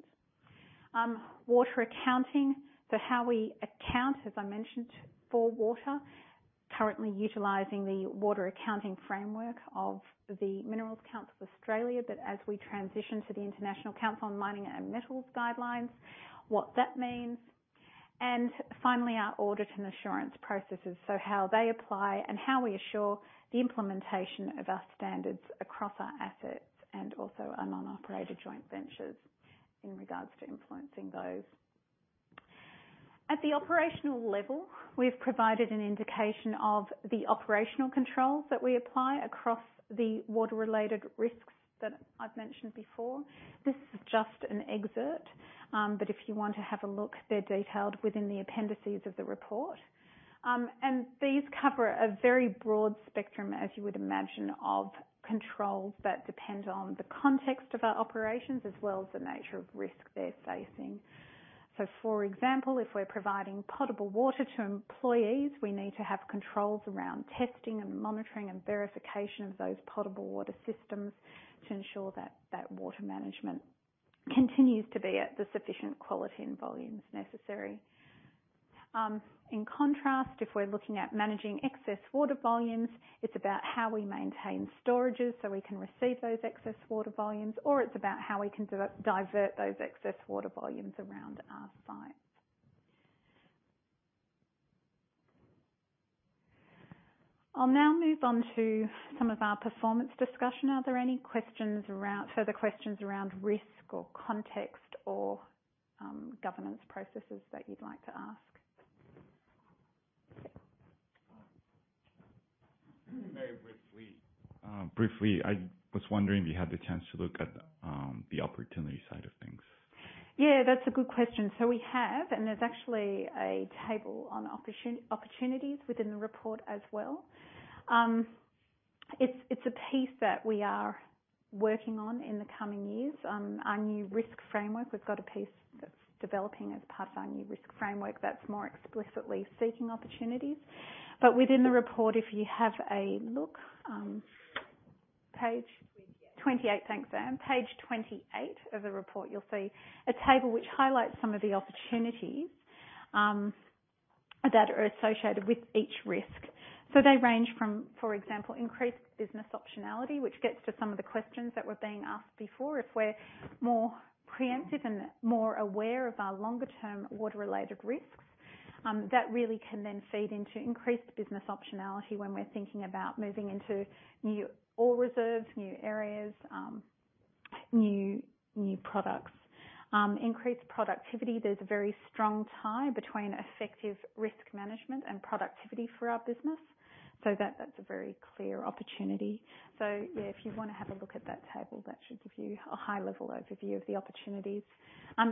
Water accounting, so how we account, as I mentioned, for water. Currently utilizing the Water Accounting Framework of the Minerals Council of Australia. As we transition to the International Council on Mining and Metals guidelines, what that means. Finally, our audit and assurance processes, so how they apply and how we assure the implementation of our standards across our assets and also our non-operated joint ventures in regards to influencing those. At the operational level, we've provided an indication of the operational controls that we apply across the water-related risks that I've mentioned before. This is just an excerpt, but if you want to have a look, they're detailed within the appendices of the report. These cover a very broad spectrum, as you would imagine, of controls that depend on the context of our operations as well as the nature of risk they're facing. For example, if we're providing potable water to employees, we need to have controls around testing and monitoring and verification of those potable water systems to ensure that that water management continues to be at the sufficient quality and volumes necessary. In contrast, if we're looking at managing excess water volumes, it's about how we maintain storages so we can receive those excess water volumes, or it's about how we can divert those excess water volumes around our sites. I'll now move on to some of our performance discussion. Are there any further questions around risk or context or governance processes that you'd like to ask? Very briefly. Briefly, I was wondering if you had the chance to look at the opportunity side of things. Yeah, that's a good question. We have. There's actually a table on opportunities within the report as well. It's a piece that we are working on in the coming years. Our new risk framework, we've got a piece that's developing as part of our new risk framework that's more explicitly seeking opportunities. Within the report, if you have a look, page- 28. 28. Thanks, Anne. Page 28 of the report, you'll see a table which highlights some of the opportunities that are associated with each risk. They range from, for example, increased business optionality, which gets to some of the questions that were being asked before. If we're more preemptive and more aware of our longer-term water-related risks, that really can then feed into increased business optionality when we're thinking about moving into new ore reserves, new areas, new products. Increased productivity, there's a very strong tie between effective risk management and productivity for our business. That's a very clear opportunity. Yeah, if you want to have a look at that table, that should give you a high-level overview of the opportunities.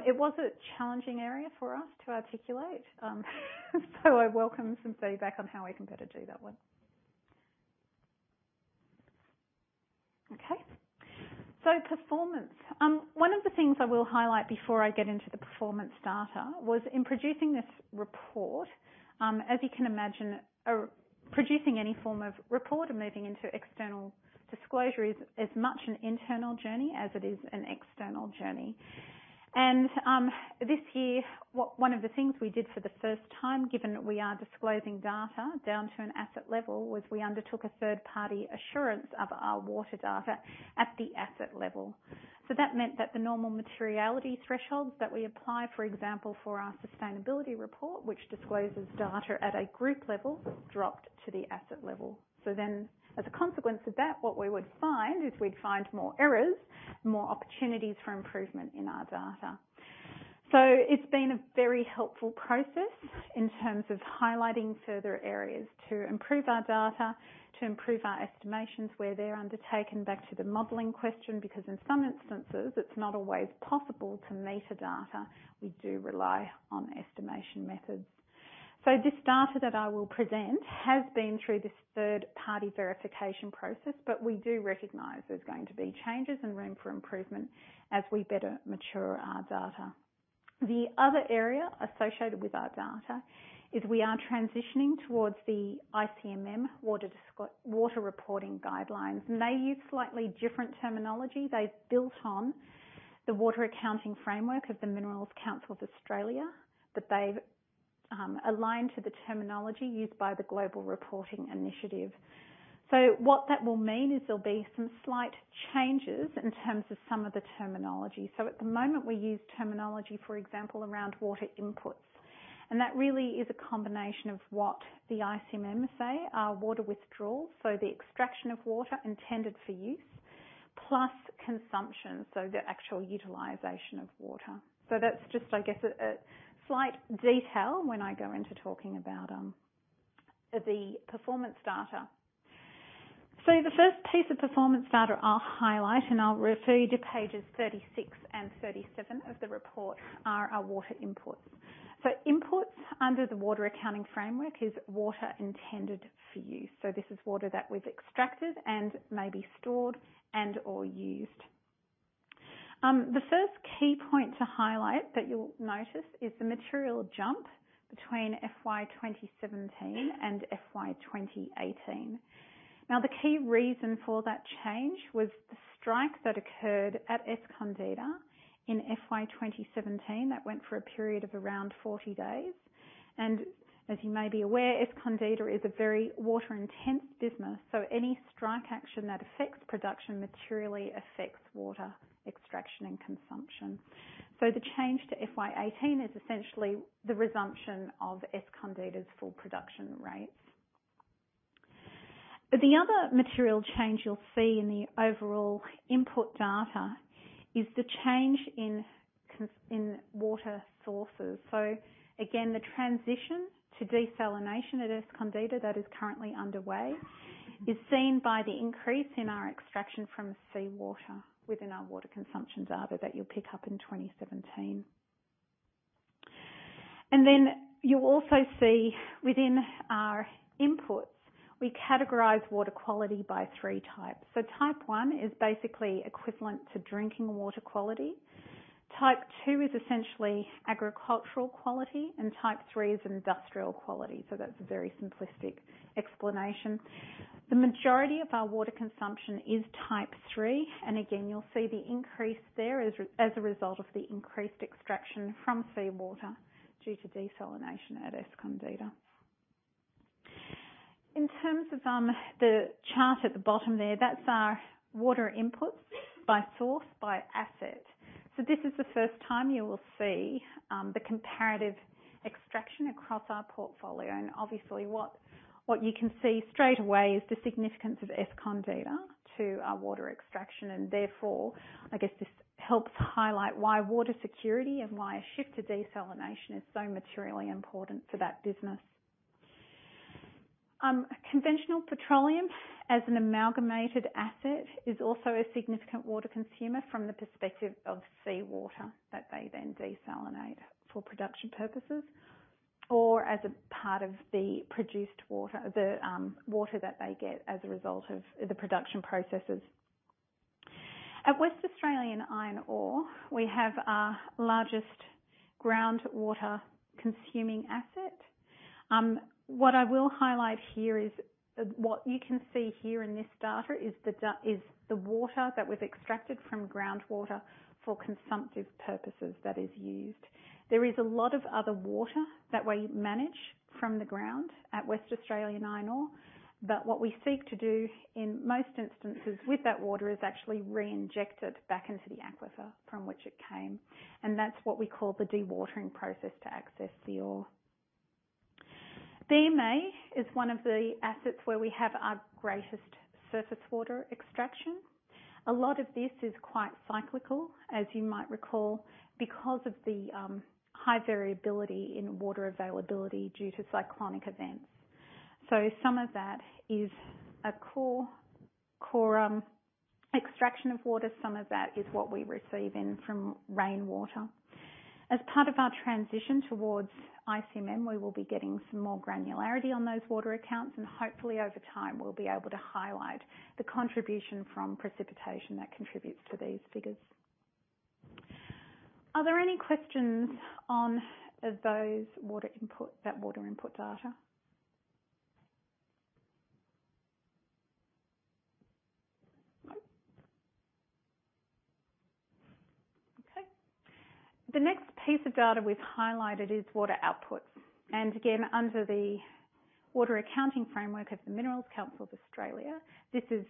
It was a challenging area for us to articulate, so I welcome some feedback on how we can better do that one. Okay. Performance. One of the things I will highlight before I get into the performance data was in producing this report. As you can imagine, producing any form of report and moving into external disclosure is as much an internal journey as it is an external journey. This year, one of the things we did for the first time, given that we are disclosing data down to an asset level, was we undertook a third-party assurance of our water data at the asset level. That meant that the normal materiality thresholds that we apply, for example, for our sustainability report, which discloses data at a group level, dropped to the asset level. As a consequence of that, what we would find is we'd find more errors, more opportunities for improvement in our data. It's been a very helpful process in terms of highlighting further areas to improve our data, to improve our estimations where they're undertaken, back to the modeling question, because in some instances it's not always possible to meter data. We do rely on estimation methods. This data that I will present has been through this third-party verification process, but we do recognize there's going to be changes and room for improvement as we better mature our data. The other area associated with our data is we are transitioning towards the ICMM Water Reporting Guidelines, and they use slightly different terminology. They've built on the Water Accounting Framework of the Minerals Council of Australia, but they've aligned to the terminology used by the Global Reporting Initiative. What that will mean is there'll be some slight changes in terms of some of the terminology. At the moment, we use terminology, for example, around water inputs, and that really is a combination of what the ICMM say are water withdrawals. The extraction of water intended for use plus consumption, the actual utilization of water. That's just, I guess, a slight detail when I go into talking about the performance data. The first piece of performance data I'll highlight, and I'll refer you to pages 36 and 37 of the report are our water inputs. Inputs under the Water Accounting Framework is water intended for use. This is water that we've extracted and may be stored and/or used. The first key point to highlight that you'll notice is the material jump between FY 2017 and FY 2018. The key reason for that change was the strike that occurred at Escondida in FY 2017 that went for a period of around 40 days. As you may be aware, Escondida is a very water-intensive business, any strike action that affects production materially affects water extraction and consumption. The change to FY 2018 is essentially the resumption of Escondida's full production rates. The other material change you'll see in the overall input data is the change in water sources. Again, the transition to desalination at Escondida that is currently underway is seen by the increase in our extraction from seawater within our water consumptions data that you'll pick up in 2017. Then you'll also see within our inputs, we categorize water quality by three types. Type 1 is basically equivalent to drinking water quality. Type 2 is essentially agricultural quality, and type 3 is industrial quality. That's a very simplistic explanation. The majority of our water consumption is type 3, and again, you'll see the increase there as a result of the increased extraction from seawater due to desalination at Escondida. In terms of the chart at the bottom there, that's our water inputs by source, by asset. This is the first time you will see the comparative extraction across our portfolio. Obviously what you can see straight away is the significance of Escondida to our water extraction. Therefore, I guess this helps highlight why water security and why a shift to desalination is so materially important for that business. Conventional Petroleum as an amalgamated asset is also a significant water consumer from the perspective of seawater that they then desalinate for production purposes. As a part of the produced water, the water that they get as a result of the production processes. At West Australian Iron Ore, we have our largest groundwater consuming asset. What I will highlight here is what you can see here in this data is the water that was extracted from groundwater for consumptive purposes that is used. There is a lot of other water that we manage from the ground at West Australian Iron Ore, but what we seek to do, in most instances, with that water is actually reinject it back into the aquifer from which it came, and that's what we call the dewatering process to access the ore. BMA is one of the assets where we have our greatest surface water extraction. A lot of this is quite cyclical, as you might recall, because of the high variability in water availability due to cyclonic events. Some of that is a core extraction of water, some of that is what we receive in from rainwater. As part of our transition towards ICMM, we will be getting some more granularity on those water accounts and hopefully over time, we'll be able to highlight the contribution from precipitation that contributes to these figures. Are there any questions on that water input data? No. Okay. The next piece of data we've highlighted is water outputs. Again, under the Water Accounting Framework of the Minerals Council of Australia, this is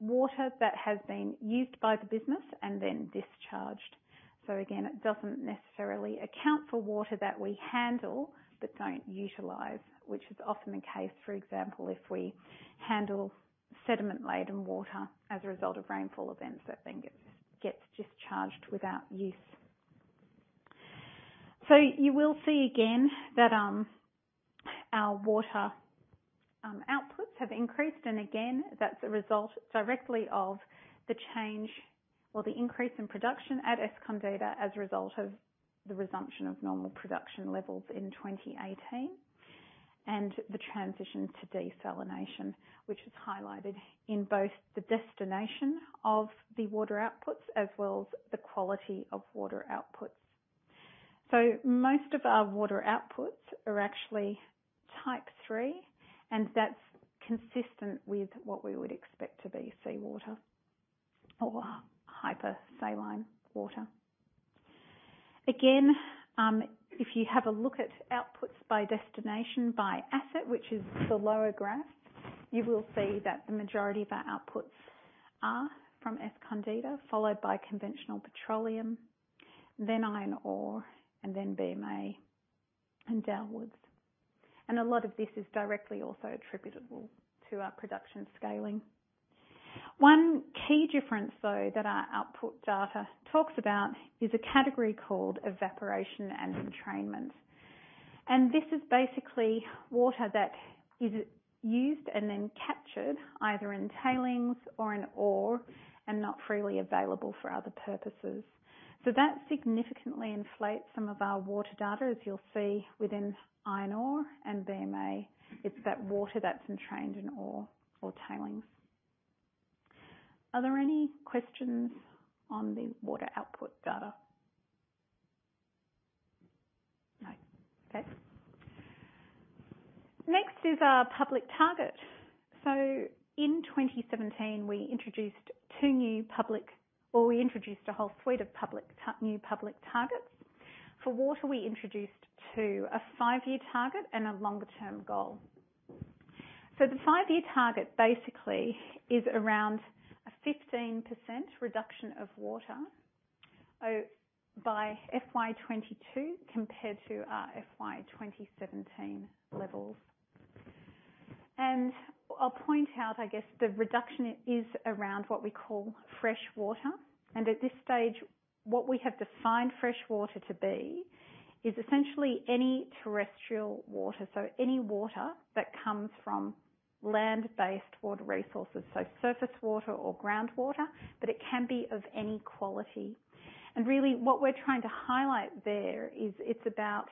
water that has been used by the business and then discharged. Again, it doesn't necessarily account for water that we handle but don't utilize, which is often the case, for example, if we handle sediment-laden water as a result of rainfall events that gets discharged without use. You will see again that our water outputs have increased. Again, that's a result directly of the change or the increase in production at Escondida as a result of the resumption of normal production levels in 2018, and the transition to desalination, which is highlighted in both the destination of the water outputs as well as the quality of water outputs. Most of our water outputs are actually type 3, and that's consistent with what we would expect to be seawater or hypersaline water. Again, if you have a look at outputs by destination by asset, which is the lower graph, you will see that the majority of our outputs are from Escondida, followed by Conventional Petroleum, Iron Ore, BMA and [Dalwoods]. A lot of this is directly also attributable to our production scaling. One key difference, though, that our output data talks about is a category called evaporation and entrainment. This is basically water that is used and then captured either in tailings or in ore and not freely available for other purposes. That significantly inflates some of our water data, as you'll see within Iron Ore and BMA. It's that water that's entrained in ore or tailings. Are there any questions on the water output data? No. Okay. Next is our public target. In 2017, we introduced a whole suite of new public targets. For water, we introduced two: a five-year target and a longer-term goal. The five-year target basically is around a 15% reduction of water by FY 2022 compared to our FY 2017 levels. I'll point out, I guess, the reduction is around what we call fresh water. At this stage, what we have defined fresh water to be is essentially any terrestrial water, so any water that comes from land-based water resources, so surface water or groundwater, but it can be of any quality. Really what we're trying to highlight there is it's about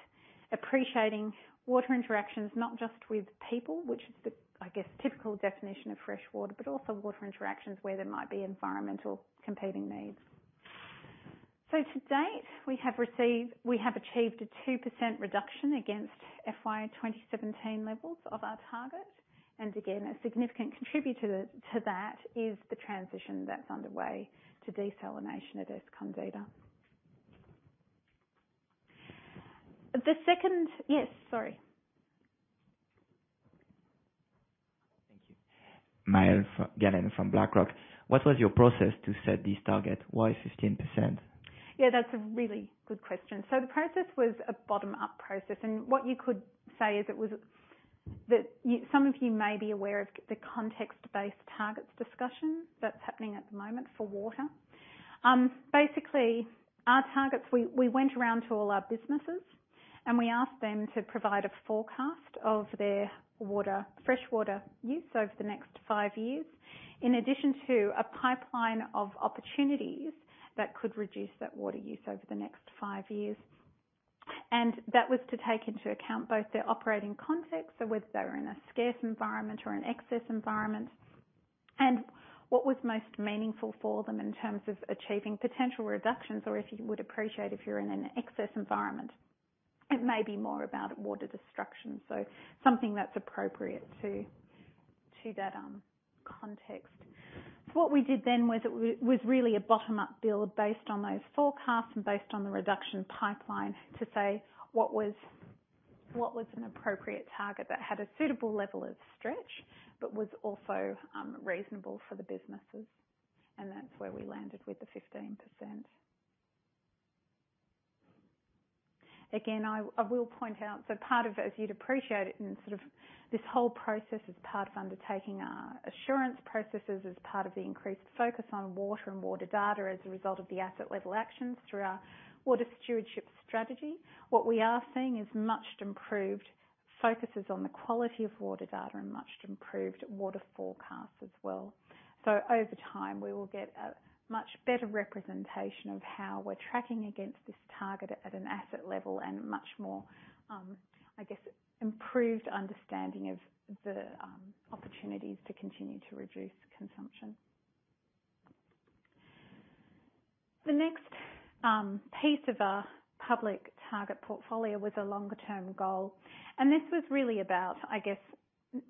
appreciating water interactions, not just with people, which is the, I guess, typical definition of fresh water, but also water interactions where there might be environmental competing needs. To date, we have achieved a 2% reduction against FY 2017 levels of our target. Again, a significant contributor to that is the transition that's underway to desalination at Escondida. Yes, sorry. Thank you. Maël Gallène from BlackRock. What was your process to set this target? Why 15%? Yeah, that's a really good question. The process was a bottom-up process, and what you could say is it was that some of you may be aware of the context-based targets discussion that's happening at the moment for water. Our targets, we went around to all our businesses and we asked them to provide a forecast of their fresh water use over the next five years, in addition to a pipeline of opportunities that could reduce that water use over the next five years. That was to take into account both their operating context, so whether they were in a scarce environment or an excess environment, and what was most meaningful for them in terms of achieving potential reductions, or if you would appreciate if you're in an excess environment, it may be more about water destruction, so something that's appropriate to that context. What we did then was really a bottom-up build based on those forecasts and based on the reduction pipeline to say what was an appropriate target that had a suitable level of stretch but was also reasonable for the businesses, and that's where we landed with the 15%. I will point out, as you'd appreciate it, and this whole process is part of undertaking our assurance processes as part of the increased focus on water and water data as a result of the asset level actions through our water stewardship strategy. What we are seeing is much improved focuses on the quality of water data and much improved water forecasts as well. Over time, we will get a much better representation of how we're tracking against this target at an asset level and much more, I guess, improved understanding of the opportunities to continue to reduce consumption. The next piece of our public target portfolio was a longer-term goal, this was really about, I guess,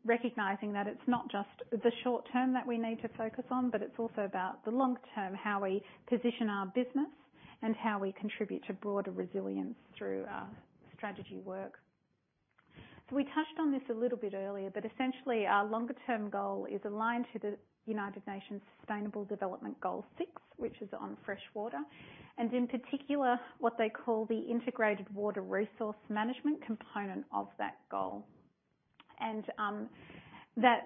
recognizing that it's not just the short term that we need to focus on, but it's also about the long term, how we position our business and how we contribute to broader resilience through our strategy work. We touched on this a little bit earlier, but essentially our longer-term goal is aligned to the Sustainable Development Goal 6, which is on fresh water, and in particular, what they call the Integrated Water Resource Management component of that goal.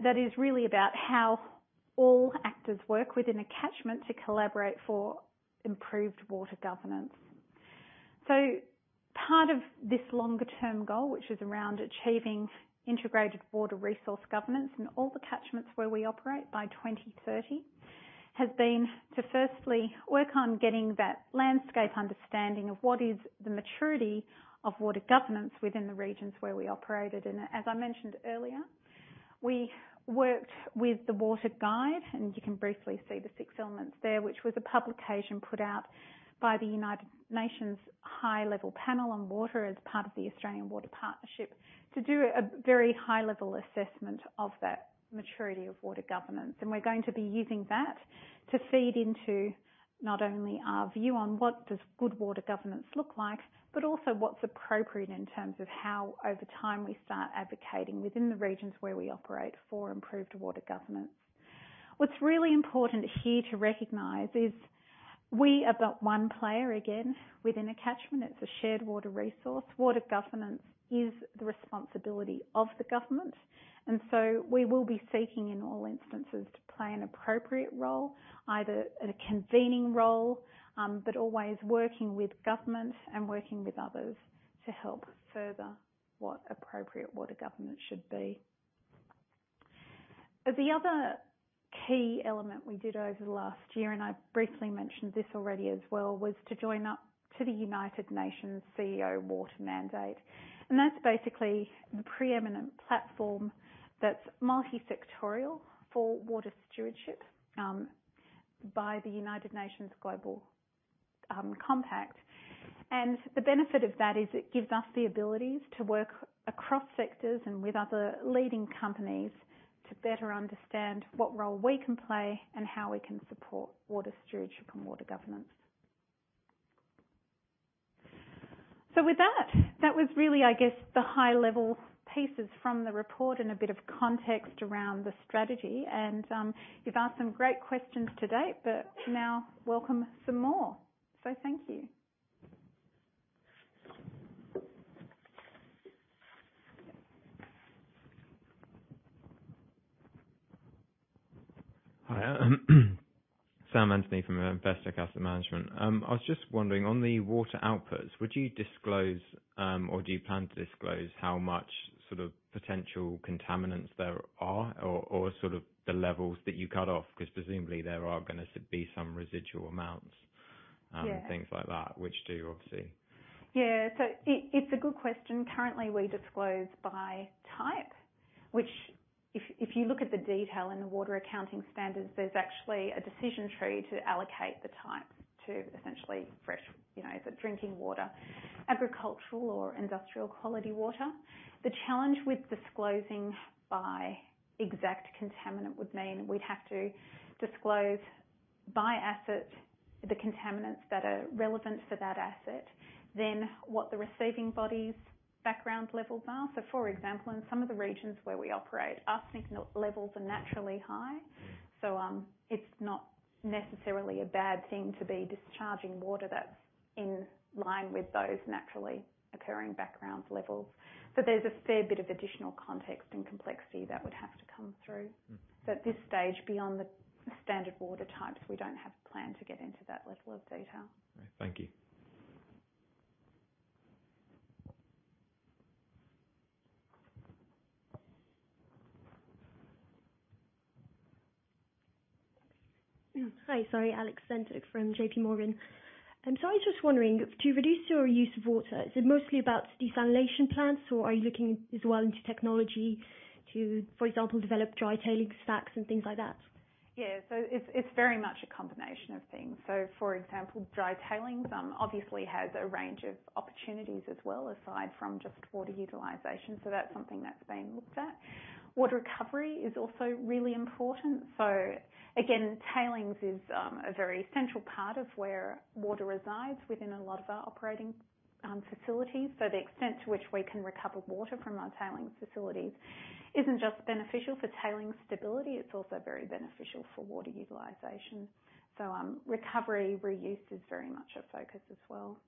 That is really about how all actors work within a catchment to collaborate for improved water governance. Part of this longer-term goal, which is around achieving integrated water resource governance in all the catchments where we operate by 2030, has been to firstly work on getting that landscape understanding of what is the maturity of water governance within the regions where we operated. As I mentioned earlier, we worked with the WaterGuide, and you can briefly see the 6 elements there, which was a publication put out by the High-Level Panel on Water as part of the Australian Water Partnership to do a very high-level assessment of that maturity of water governance. We're going to be using that to feed into not only our view on what does good water governance look like, but also what's appropriate in terms of how over time we start advocating within the regions where we operate for improved water governance. What's really important here to recognize is we are but one player, again, within a catchment. It's a shared water resource. Water governance is the responsibility of the government, we will be seeking in all instances to play an appropriate role, either a convening role, but always working with government and working with others to help further what appropriate water governance should be. The other key element we did over the last year, I briefly mentioned this already as well, was to join up to the CEO Water Mandate, and that's basically the preeminent platform that's multi-sectorial for water stewardship by the United Nations Global Compact. The benefit of that is it gives us the abilities to work across sectors and with other leading companies to better understand what role we can play and how we can support water stewardship and water governance. With that was really, I guess, the high-level pieces from the report and a bit of context around the strategy. You've asked some great questions to date, but now welcome some more. Thank you. Hi. [Sam Anthony] from [Investec Management]. I was just wondering, on the water outputs, would you disclose, or do you plan to disclose how much potential contaminants there are or the levels that you cut off? Presumably there are going to be some residual amounts- Yeah and things like that, which do you obviously- Yeah. It's a good question. Currently, we disclose by type, which if you look at the detail in the water accounting standards, there's actually a decision tree to allocate the types to essentially fresh, the drinking water, agricultural, or industrial quality water. The challenge with disclosing by exact contaminant would mean we'd have to disclose by asset the contaminants that are relevant for that asset, then what the receiving body's background levels are. For example, in some of the regions where we operate, arsenic levels are naturally high. It's not necessarily a bad thing to be discharging water that's in line with those naturally occurring background levels. There's a fair bit of additional context and complexity that would have to come through. At this stage, beyond the standard water types, we don't have a plan to get into that level of detail. All right. Thank you. Hi. Sorry. Alex Sendek from J.P. Morgan. I was just wondering, to reduce your use of water, is it mostly about desalination plants or are you looking as well into technology to, for example, develop dry tailings stacks and things like that? Yeah. It's very much a combination of things. For example, dry tailings obviously has a range of opportunities as well, aside from just water utilization. That's something that's being looked at. Water recovery is also really important. Again, tailings is a very central part of where water resides within a lot of our operating facilities. The extent to which we can recover water from our tailings facilities isn't just beneficial for tailings stability, it's also very beneficial for water utilization. Recovery reuse is very much a focus as well.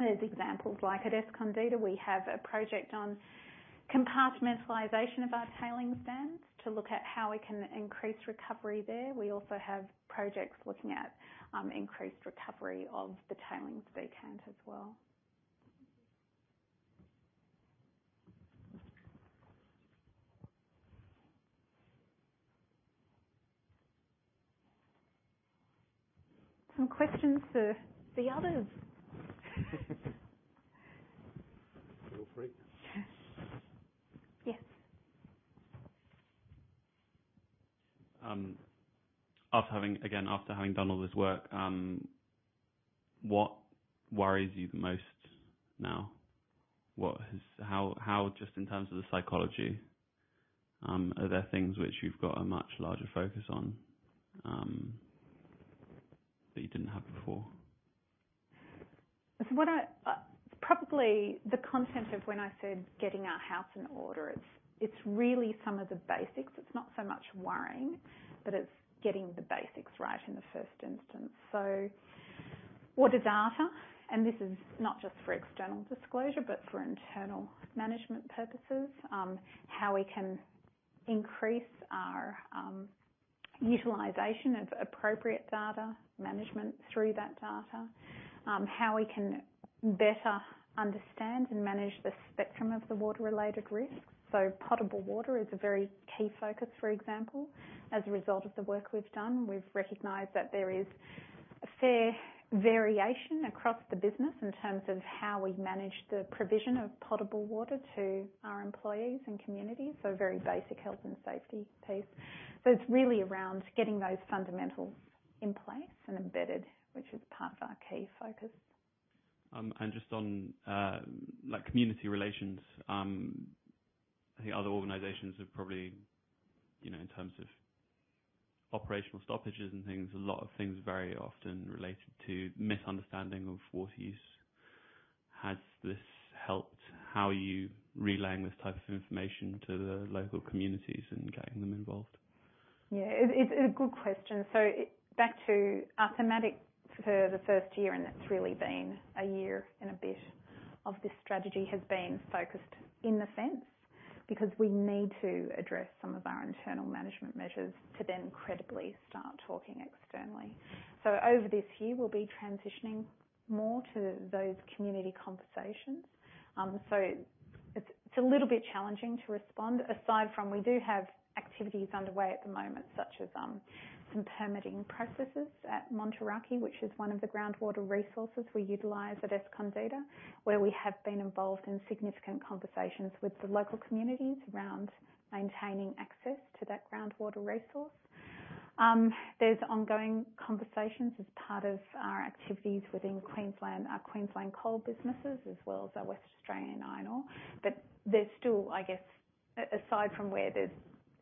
There's examples like at Escondida, we have a project on compartmentalization of our tailings dams to look at how we can increase recovery there. We also have projects looking at increased recovery of the tailings beforehand as well. Thank you. Some questions for the others? Feel free. Yes. Again, after having done all this work, what worries you the most now? How, just in terms of the psychology, are there things which you've got a much larger focus on, that you didn't have before? Probably the content of when I said getting our house in order. It's really some of the basics. It's not so much worrying, but it's getting the basics right in the first instance. Water data, and this is not just for external disclosure, but for internal management purposes. How we can increase our utilization of appropriate data management through that data. How we can better understand and manage the spectrum of the water-related risks. Potable water is a very key focus, for example. As a result of the work we've done, we've recognized that there is a fair variation across the business in terms of how we manage the provision of potable water to our employees and communities. A very basic health and safety piece. It's really around getting those fundamentals in place and embedded, which is part of our key focus. Just on community relations, I think other organizations have probably, in terms of operational stoppages and things, a lot of things very often related to misunderstanding of water use. Has this helped how you relaying this type of information to the local communities and getting them involved? Yeah. It's a good question. Back to our thematic for the first year, and it's really been a year and a bit of this strategy has been focused in the fence because we need to address some of our internal management measures to then credibly start talking externally. Over this year, we'll be transitioning more to those community conversations. It's a little bit challenging to respond, aside from we do have activities underway at the moment, such as some permitting processes at Monturaqui, which is one of the groundwater resources we utilize at Escondida, where we have been involved in significant conversations with the local communities around maintaining access to that groundwater resource. There's ongoing conversations as part of our activities within our Queensland coal businesses, as well as our West Australian iron ore. There's still, I guess, aside from where there's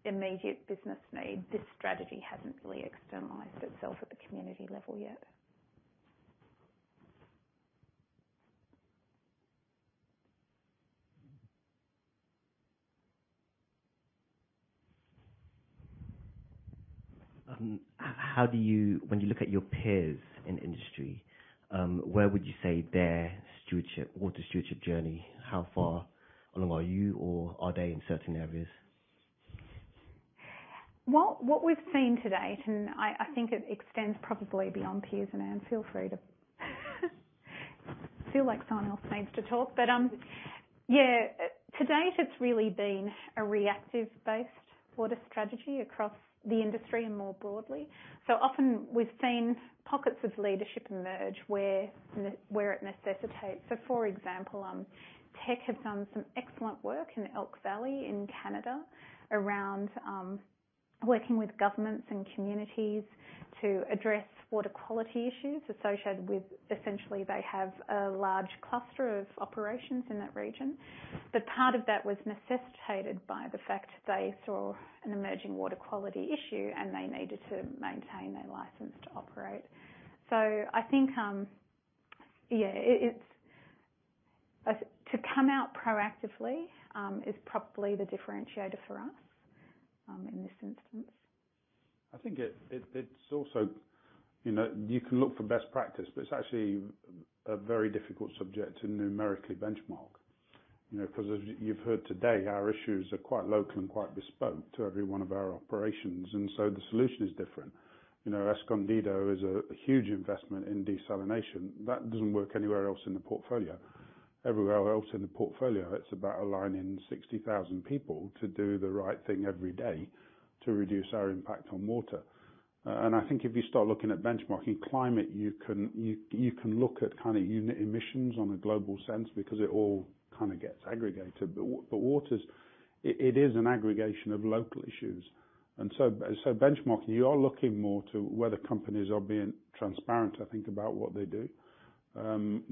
immediate business need, this strategy hasn't really externalized itself at the community level yet. How do you, when you look at your peers in industry, where would you say their water stewardship journey, how far along are you or are they in certain areas? What we've seen to date, and I think it extends probably beyond peers, and feel free to I feel like someone else needs to talk. Yeah, to date, it's really been a reactive-based water strategy across the industry and more broadly. Often we've seen pockets of leadership emerge where it necessitates. For example, Teck have done some excellent work in Elk Valley in Canada around working with governments and communities to address water quality issues associated with, essentially, they have a large cluster of operations in that region. Part of that was necessitated by the fact they saw an emerging water quality issue, and they needed to maintain their license to operate. I think, yeah, to come out proactively, is probably the differentiator for us, in this instance. I think it's also, you can look for best practice, but it's actually a very difficult subject to numerically benchmark. As you've heard today, our issues are quite local and quite bespoke to every one of our operations. The solution is different. Escondida is a huge investment in desalination. That doesn't work anywhere else in the portfolio. Everywhere else in the portfolio, it's about aligning 60,000 people to do the right thing every day to reduce our impact on water. I think if you start looking at benchmarking climate, you can look at unit emissions on a global sense because it all gets aggregated. Waters, it is an aggregation of local issues. Benchmarking, you are looking more to whether companies are being transparent, I think, about what they do,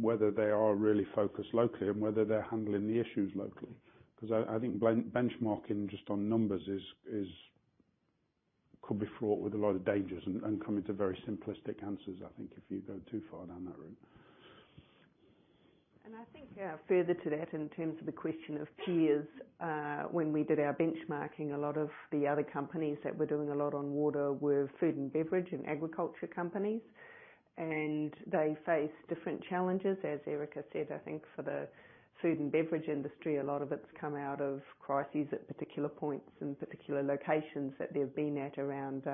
whether they are really focused locally, and whether they're handling the issues locally. I think benchmarking just on numbers could be fraught with a lot of dangers and come into very simplistic answers, I think, if you go too far down that route. I think further to that, in terms of the question of peers, when we did our benchmarking, a lot of the other companies that were doing a lot on water were food and beverage and agriculture companies, and they face different challenges. As Erika said, I think for the food and beverage industry, a lot of it's come out of crises at particular points and particular locations that they've been at around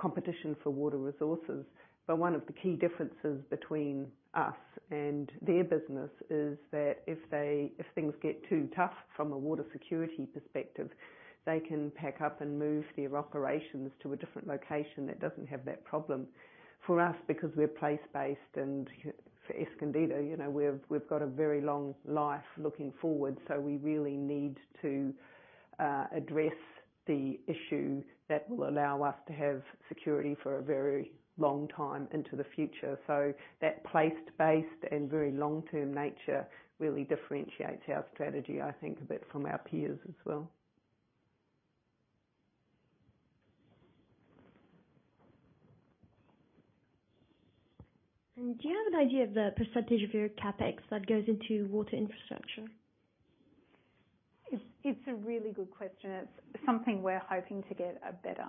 competition for water resources. One of the key differences between us and their business is that if things get too tough from a water security perspective, they can pack up and move their operations to a different location that doesn't have that problem. For us, because we're place-based and for Escondida, we've got a very long life looking forward, we really need to address the issue that will allow us to have security for a very long time into the future. That place-based and very long-term nature really differentiates our strategy, I think, a bit from our peers as well. Do you have an idea of the percentage of your CapEx that goes into water infrastructure? It's a really good question. It's something we're hoping to get a better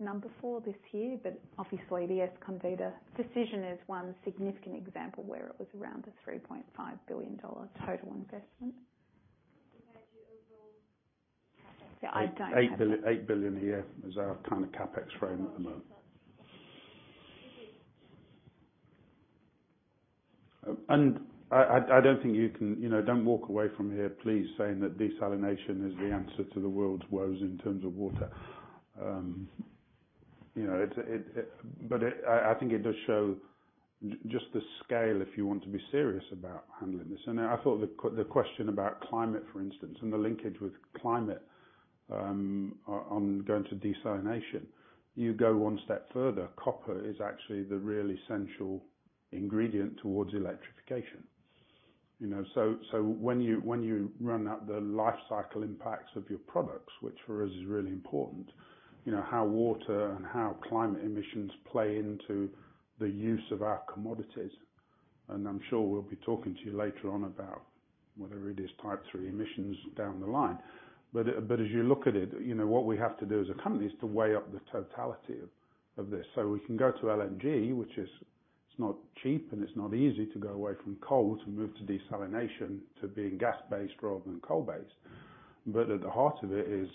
number for this year. Obviously the Escondida decision is one significant example where it was around a $3.5 billion total investment. Do you have the overall percentage? I don't have that. $8 billion a year is our kind of CapEx frame at the moment. Oh, okay. Thank you. I don't think Don't walk away from here, please, saying that desalination is the answer to the world's woes in terms of water. I think it does show just the scale if you want to be serious about handling this. I thought the question about climate, for instance, and the linkage with climate on going to desalination. You go one step further, copper is actually the real essential ingredient towards electrification. When you run out the life cycle impacts of your products, which for us is really important, how water and how climate emissions play into the use of our commodities, I'm sure we'll be talking to you later on about whether it is Scope 3 emissions down the line. As you look at it, what we have to do as a company is to weigh up the totality of this. We can go to LNG, which is not cheap and it's not easy to go away from coal to move to desalination to being gas-based rather than coal-based. At the heart of it is,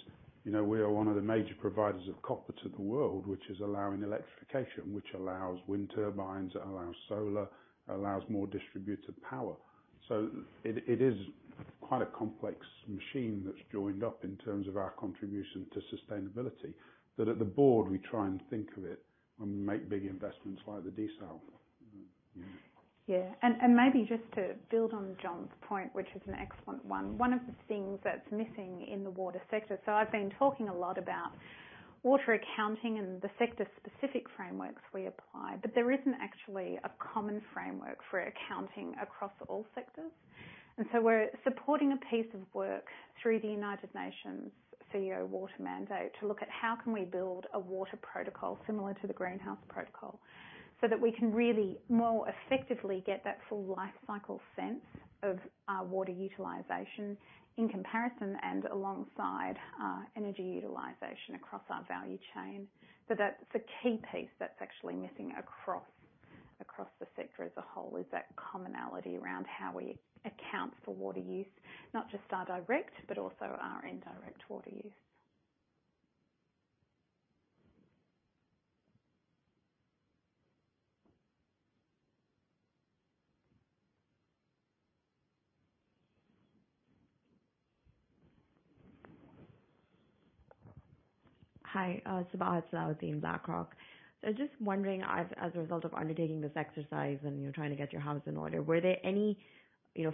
we are one of the major providers of copper to the world, which is allowing electrification, which allows wind turbines, it allows solar, allows more distributed power. It is quite a complex machine that's joined up in terms of our contribution to sustainability, that at the board, we try and think of it when we make big investments like the desal. Yeah. Maybe just to build on John's point, which is an excellent one of the things that's missing in the water sector. I've been talking a lot about water accounting and the sector-specific frameworks we apply, but there isn't actually a common framework for accounting across all sectors. We're supporting a piece of work through the United Nations CEO Water Mandate to look at how can we build a water protocol similar to the Greenhouse Gas Protocol so that we can really more effectively get that full life cycle sense of our water utilization in comparison and alongside our energy utilization across our value chain. That's a key piece that's actually missing across the sector as a whole, is that commonality around how we account for water use. Not just our direct, but also our indirect water use. Hi, Sabahat Salauddin, BlackRock. Just wondering, as a result of undertaking this exercise and you're trying to get your house in order, were there any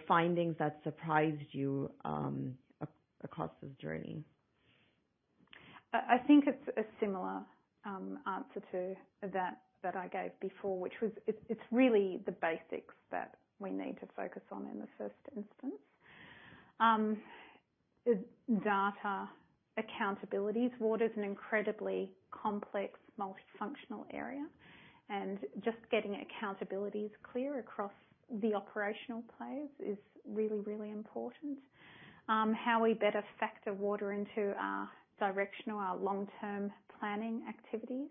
findings that surprised you across this journey? I think it's a similar answer to that that I gave before, which was it's really the basics that we need to focus on in the first instance. Data accountability. Water's an incredibly complex, multifunctional area, and just getting accountabilities clear across the operational plays is really, really important. How we better factor water into our direction or our long-term planning activities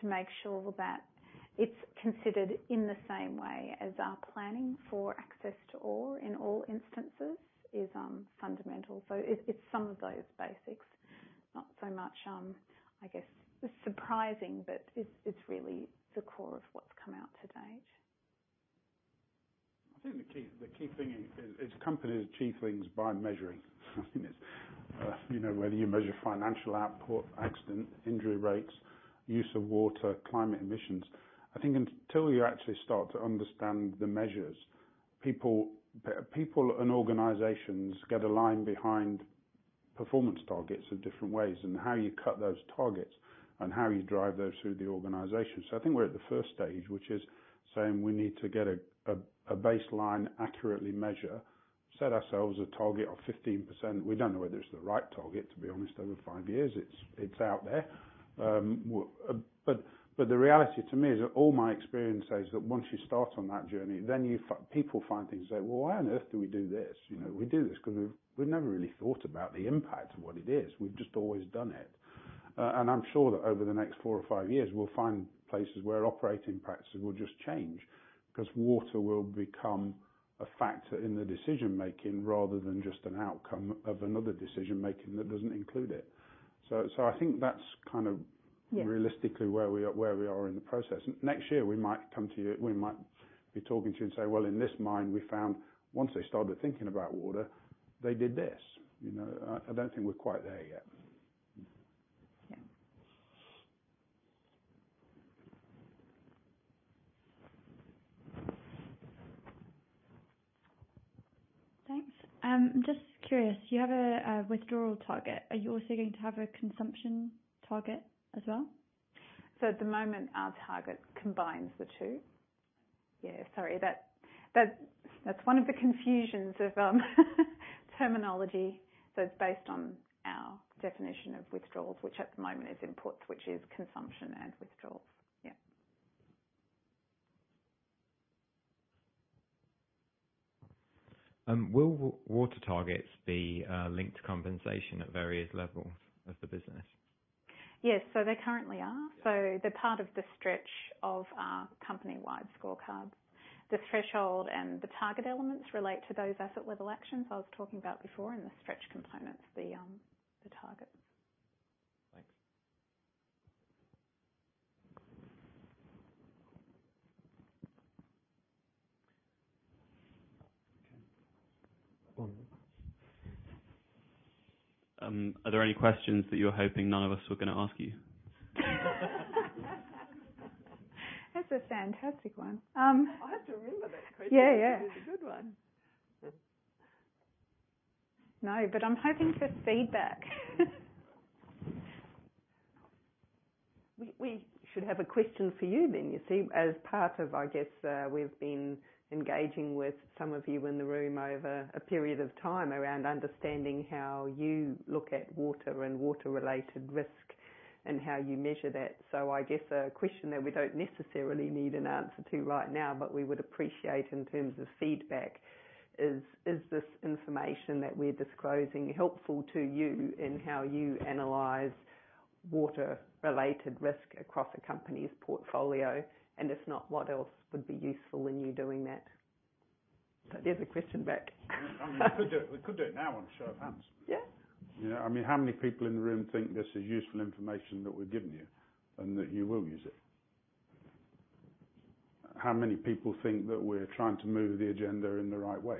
to make sure that it's considered in the same way as our planning for access to ore in all instances is fundamental. It's some of those basics. Not so much, I guess, surprising, but it's really the core of what's come out to date. I think the key thing is companies achieve things by measuring, whether you measure financial output, accident injury rates, use of water, climate emissions. I think until you actually start to understand the measures, people and organizations get aligned behind performance targets of different ways, and how you cut those targets, and how you drive those through the organization. I think we're at the first stage, which is saying we need to get a baseline, accurately measure, set ourselves a target of 15%. We don't know whether it's the right target, to be honest, over five years. It's out there. The reality to me is that all my experience says that once you start on that journey, then people find things and say, "Well, why on earth do we do this?" We do this because we've never really thought about the impact of what it is. We've just always done it. I'm sure that over the next four or five years, we'll find places where operating practices will just change, because water will become a factor in the decision-making rather than just an outcome of another decision-making that doesn't include it. I think that's kind of. Yeah realistically where we are in the process. Next year, we might come to you, we might be talking to you and say, "Well, in this mine, we found once they started thinking about water, they did this." I don't think we're quite there yet. Yeah. Thanks. I'm just curious, you have a withdrawal target. Are you also going to have a consumption target as well? At the moment, our target combines the two. Yeah, sorry. That's one of the confusions of terminology. It's based on our definition of withdrawals, which at the moment is inputs, which is consumption and withdrawals. Yeah. Will water targets be linked to compensation at various levels of the business? Yes. They currently are. Yeah. They're part of the stretch of our company-wide scorecard. The threshold and the target elements relate to those asset-level actions I was talking about before, and the stretch component's the targets. Thanks. Are there any questions that you were hoping none of us were going to ask you? That's a fantastic one. I'll have to remember that question. Yeah. It's a good one. No, I'm hoping for feedback. We should have a question for you. You see, as part of, I guess, we've been engaging with some of you in the room over a period of time around understanding how you look at water and water-related risk, and how you measure that. I guess a question that we don't necessarily need an answer to right now, but we would appreciate in terms of feedback is this information that we're disclosing helpful to you in how you analyze water-related risk across a company's portfolio? If not, what else would be useful in you doing that? There's a question back. We could do it now on a show of hands. Yeah. How many people in the room think this is useful information that we're giving you, and that you will use it? How many people think that we're trying to move the agenda in the right way?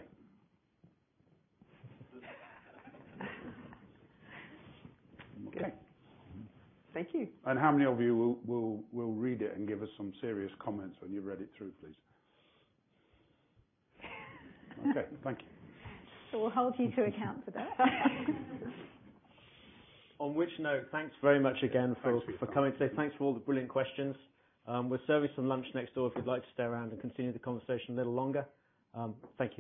Good. Thank you. How many of you will read it and give us some serious comments when you read it through, please? Okay. Thank you. We'll hold you to account for that. On which note, thanks very much again. Thanks For coming today. Thanks for all the brilliant questions. We're serving some lunch next door if you'd like to stay around and continue the conversation a little longer. Thank you.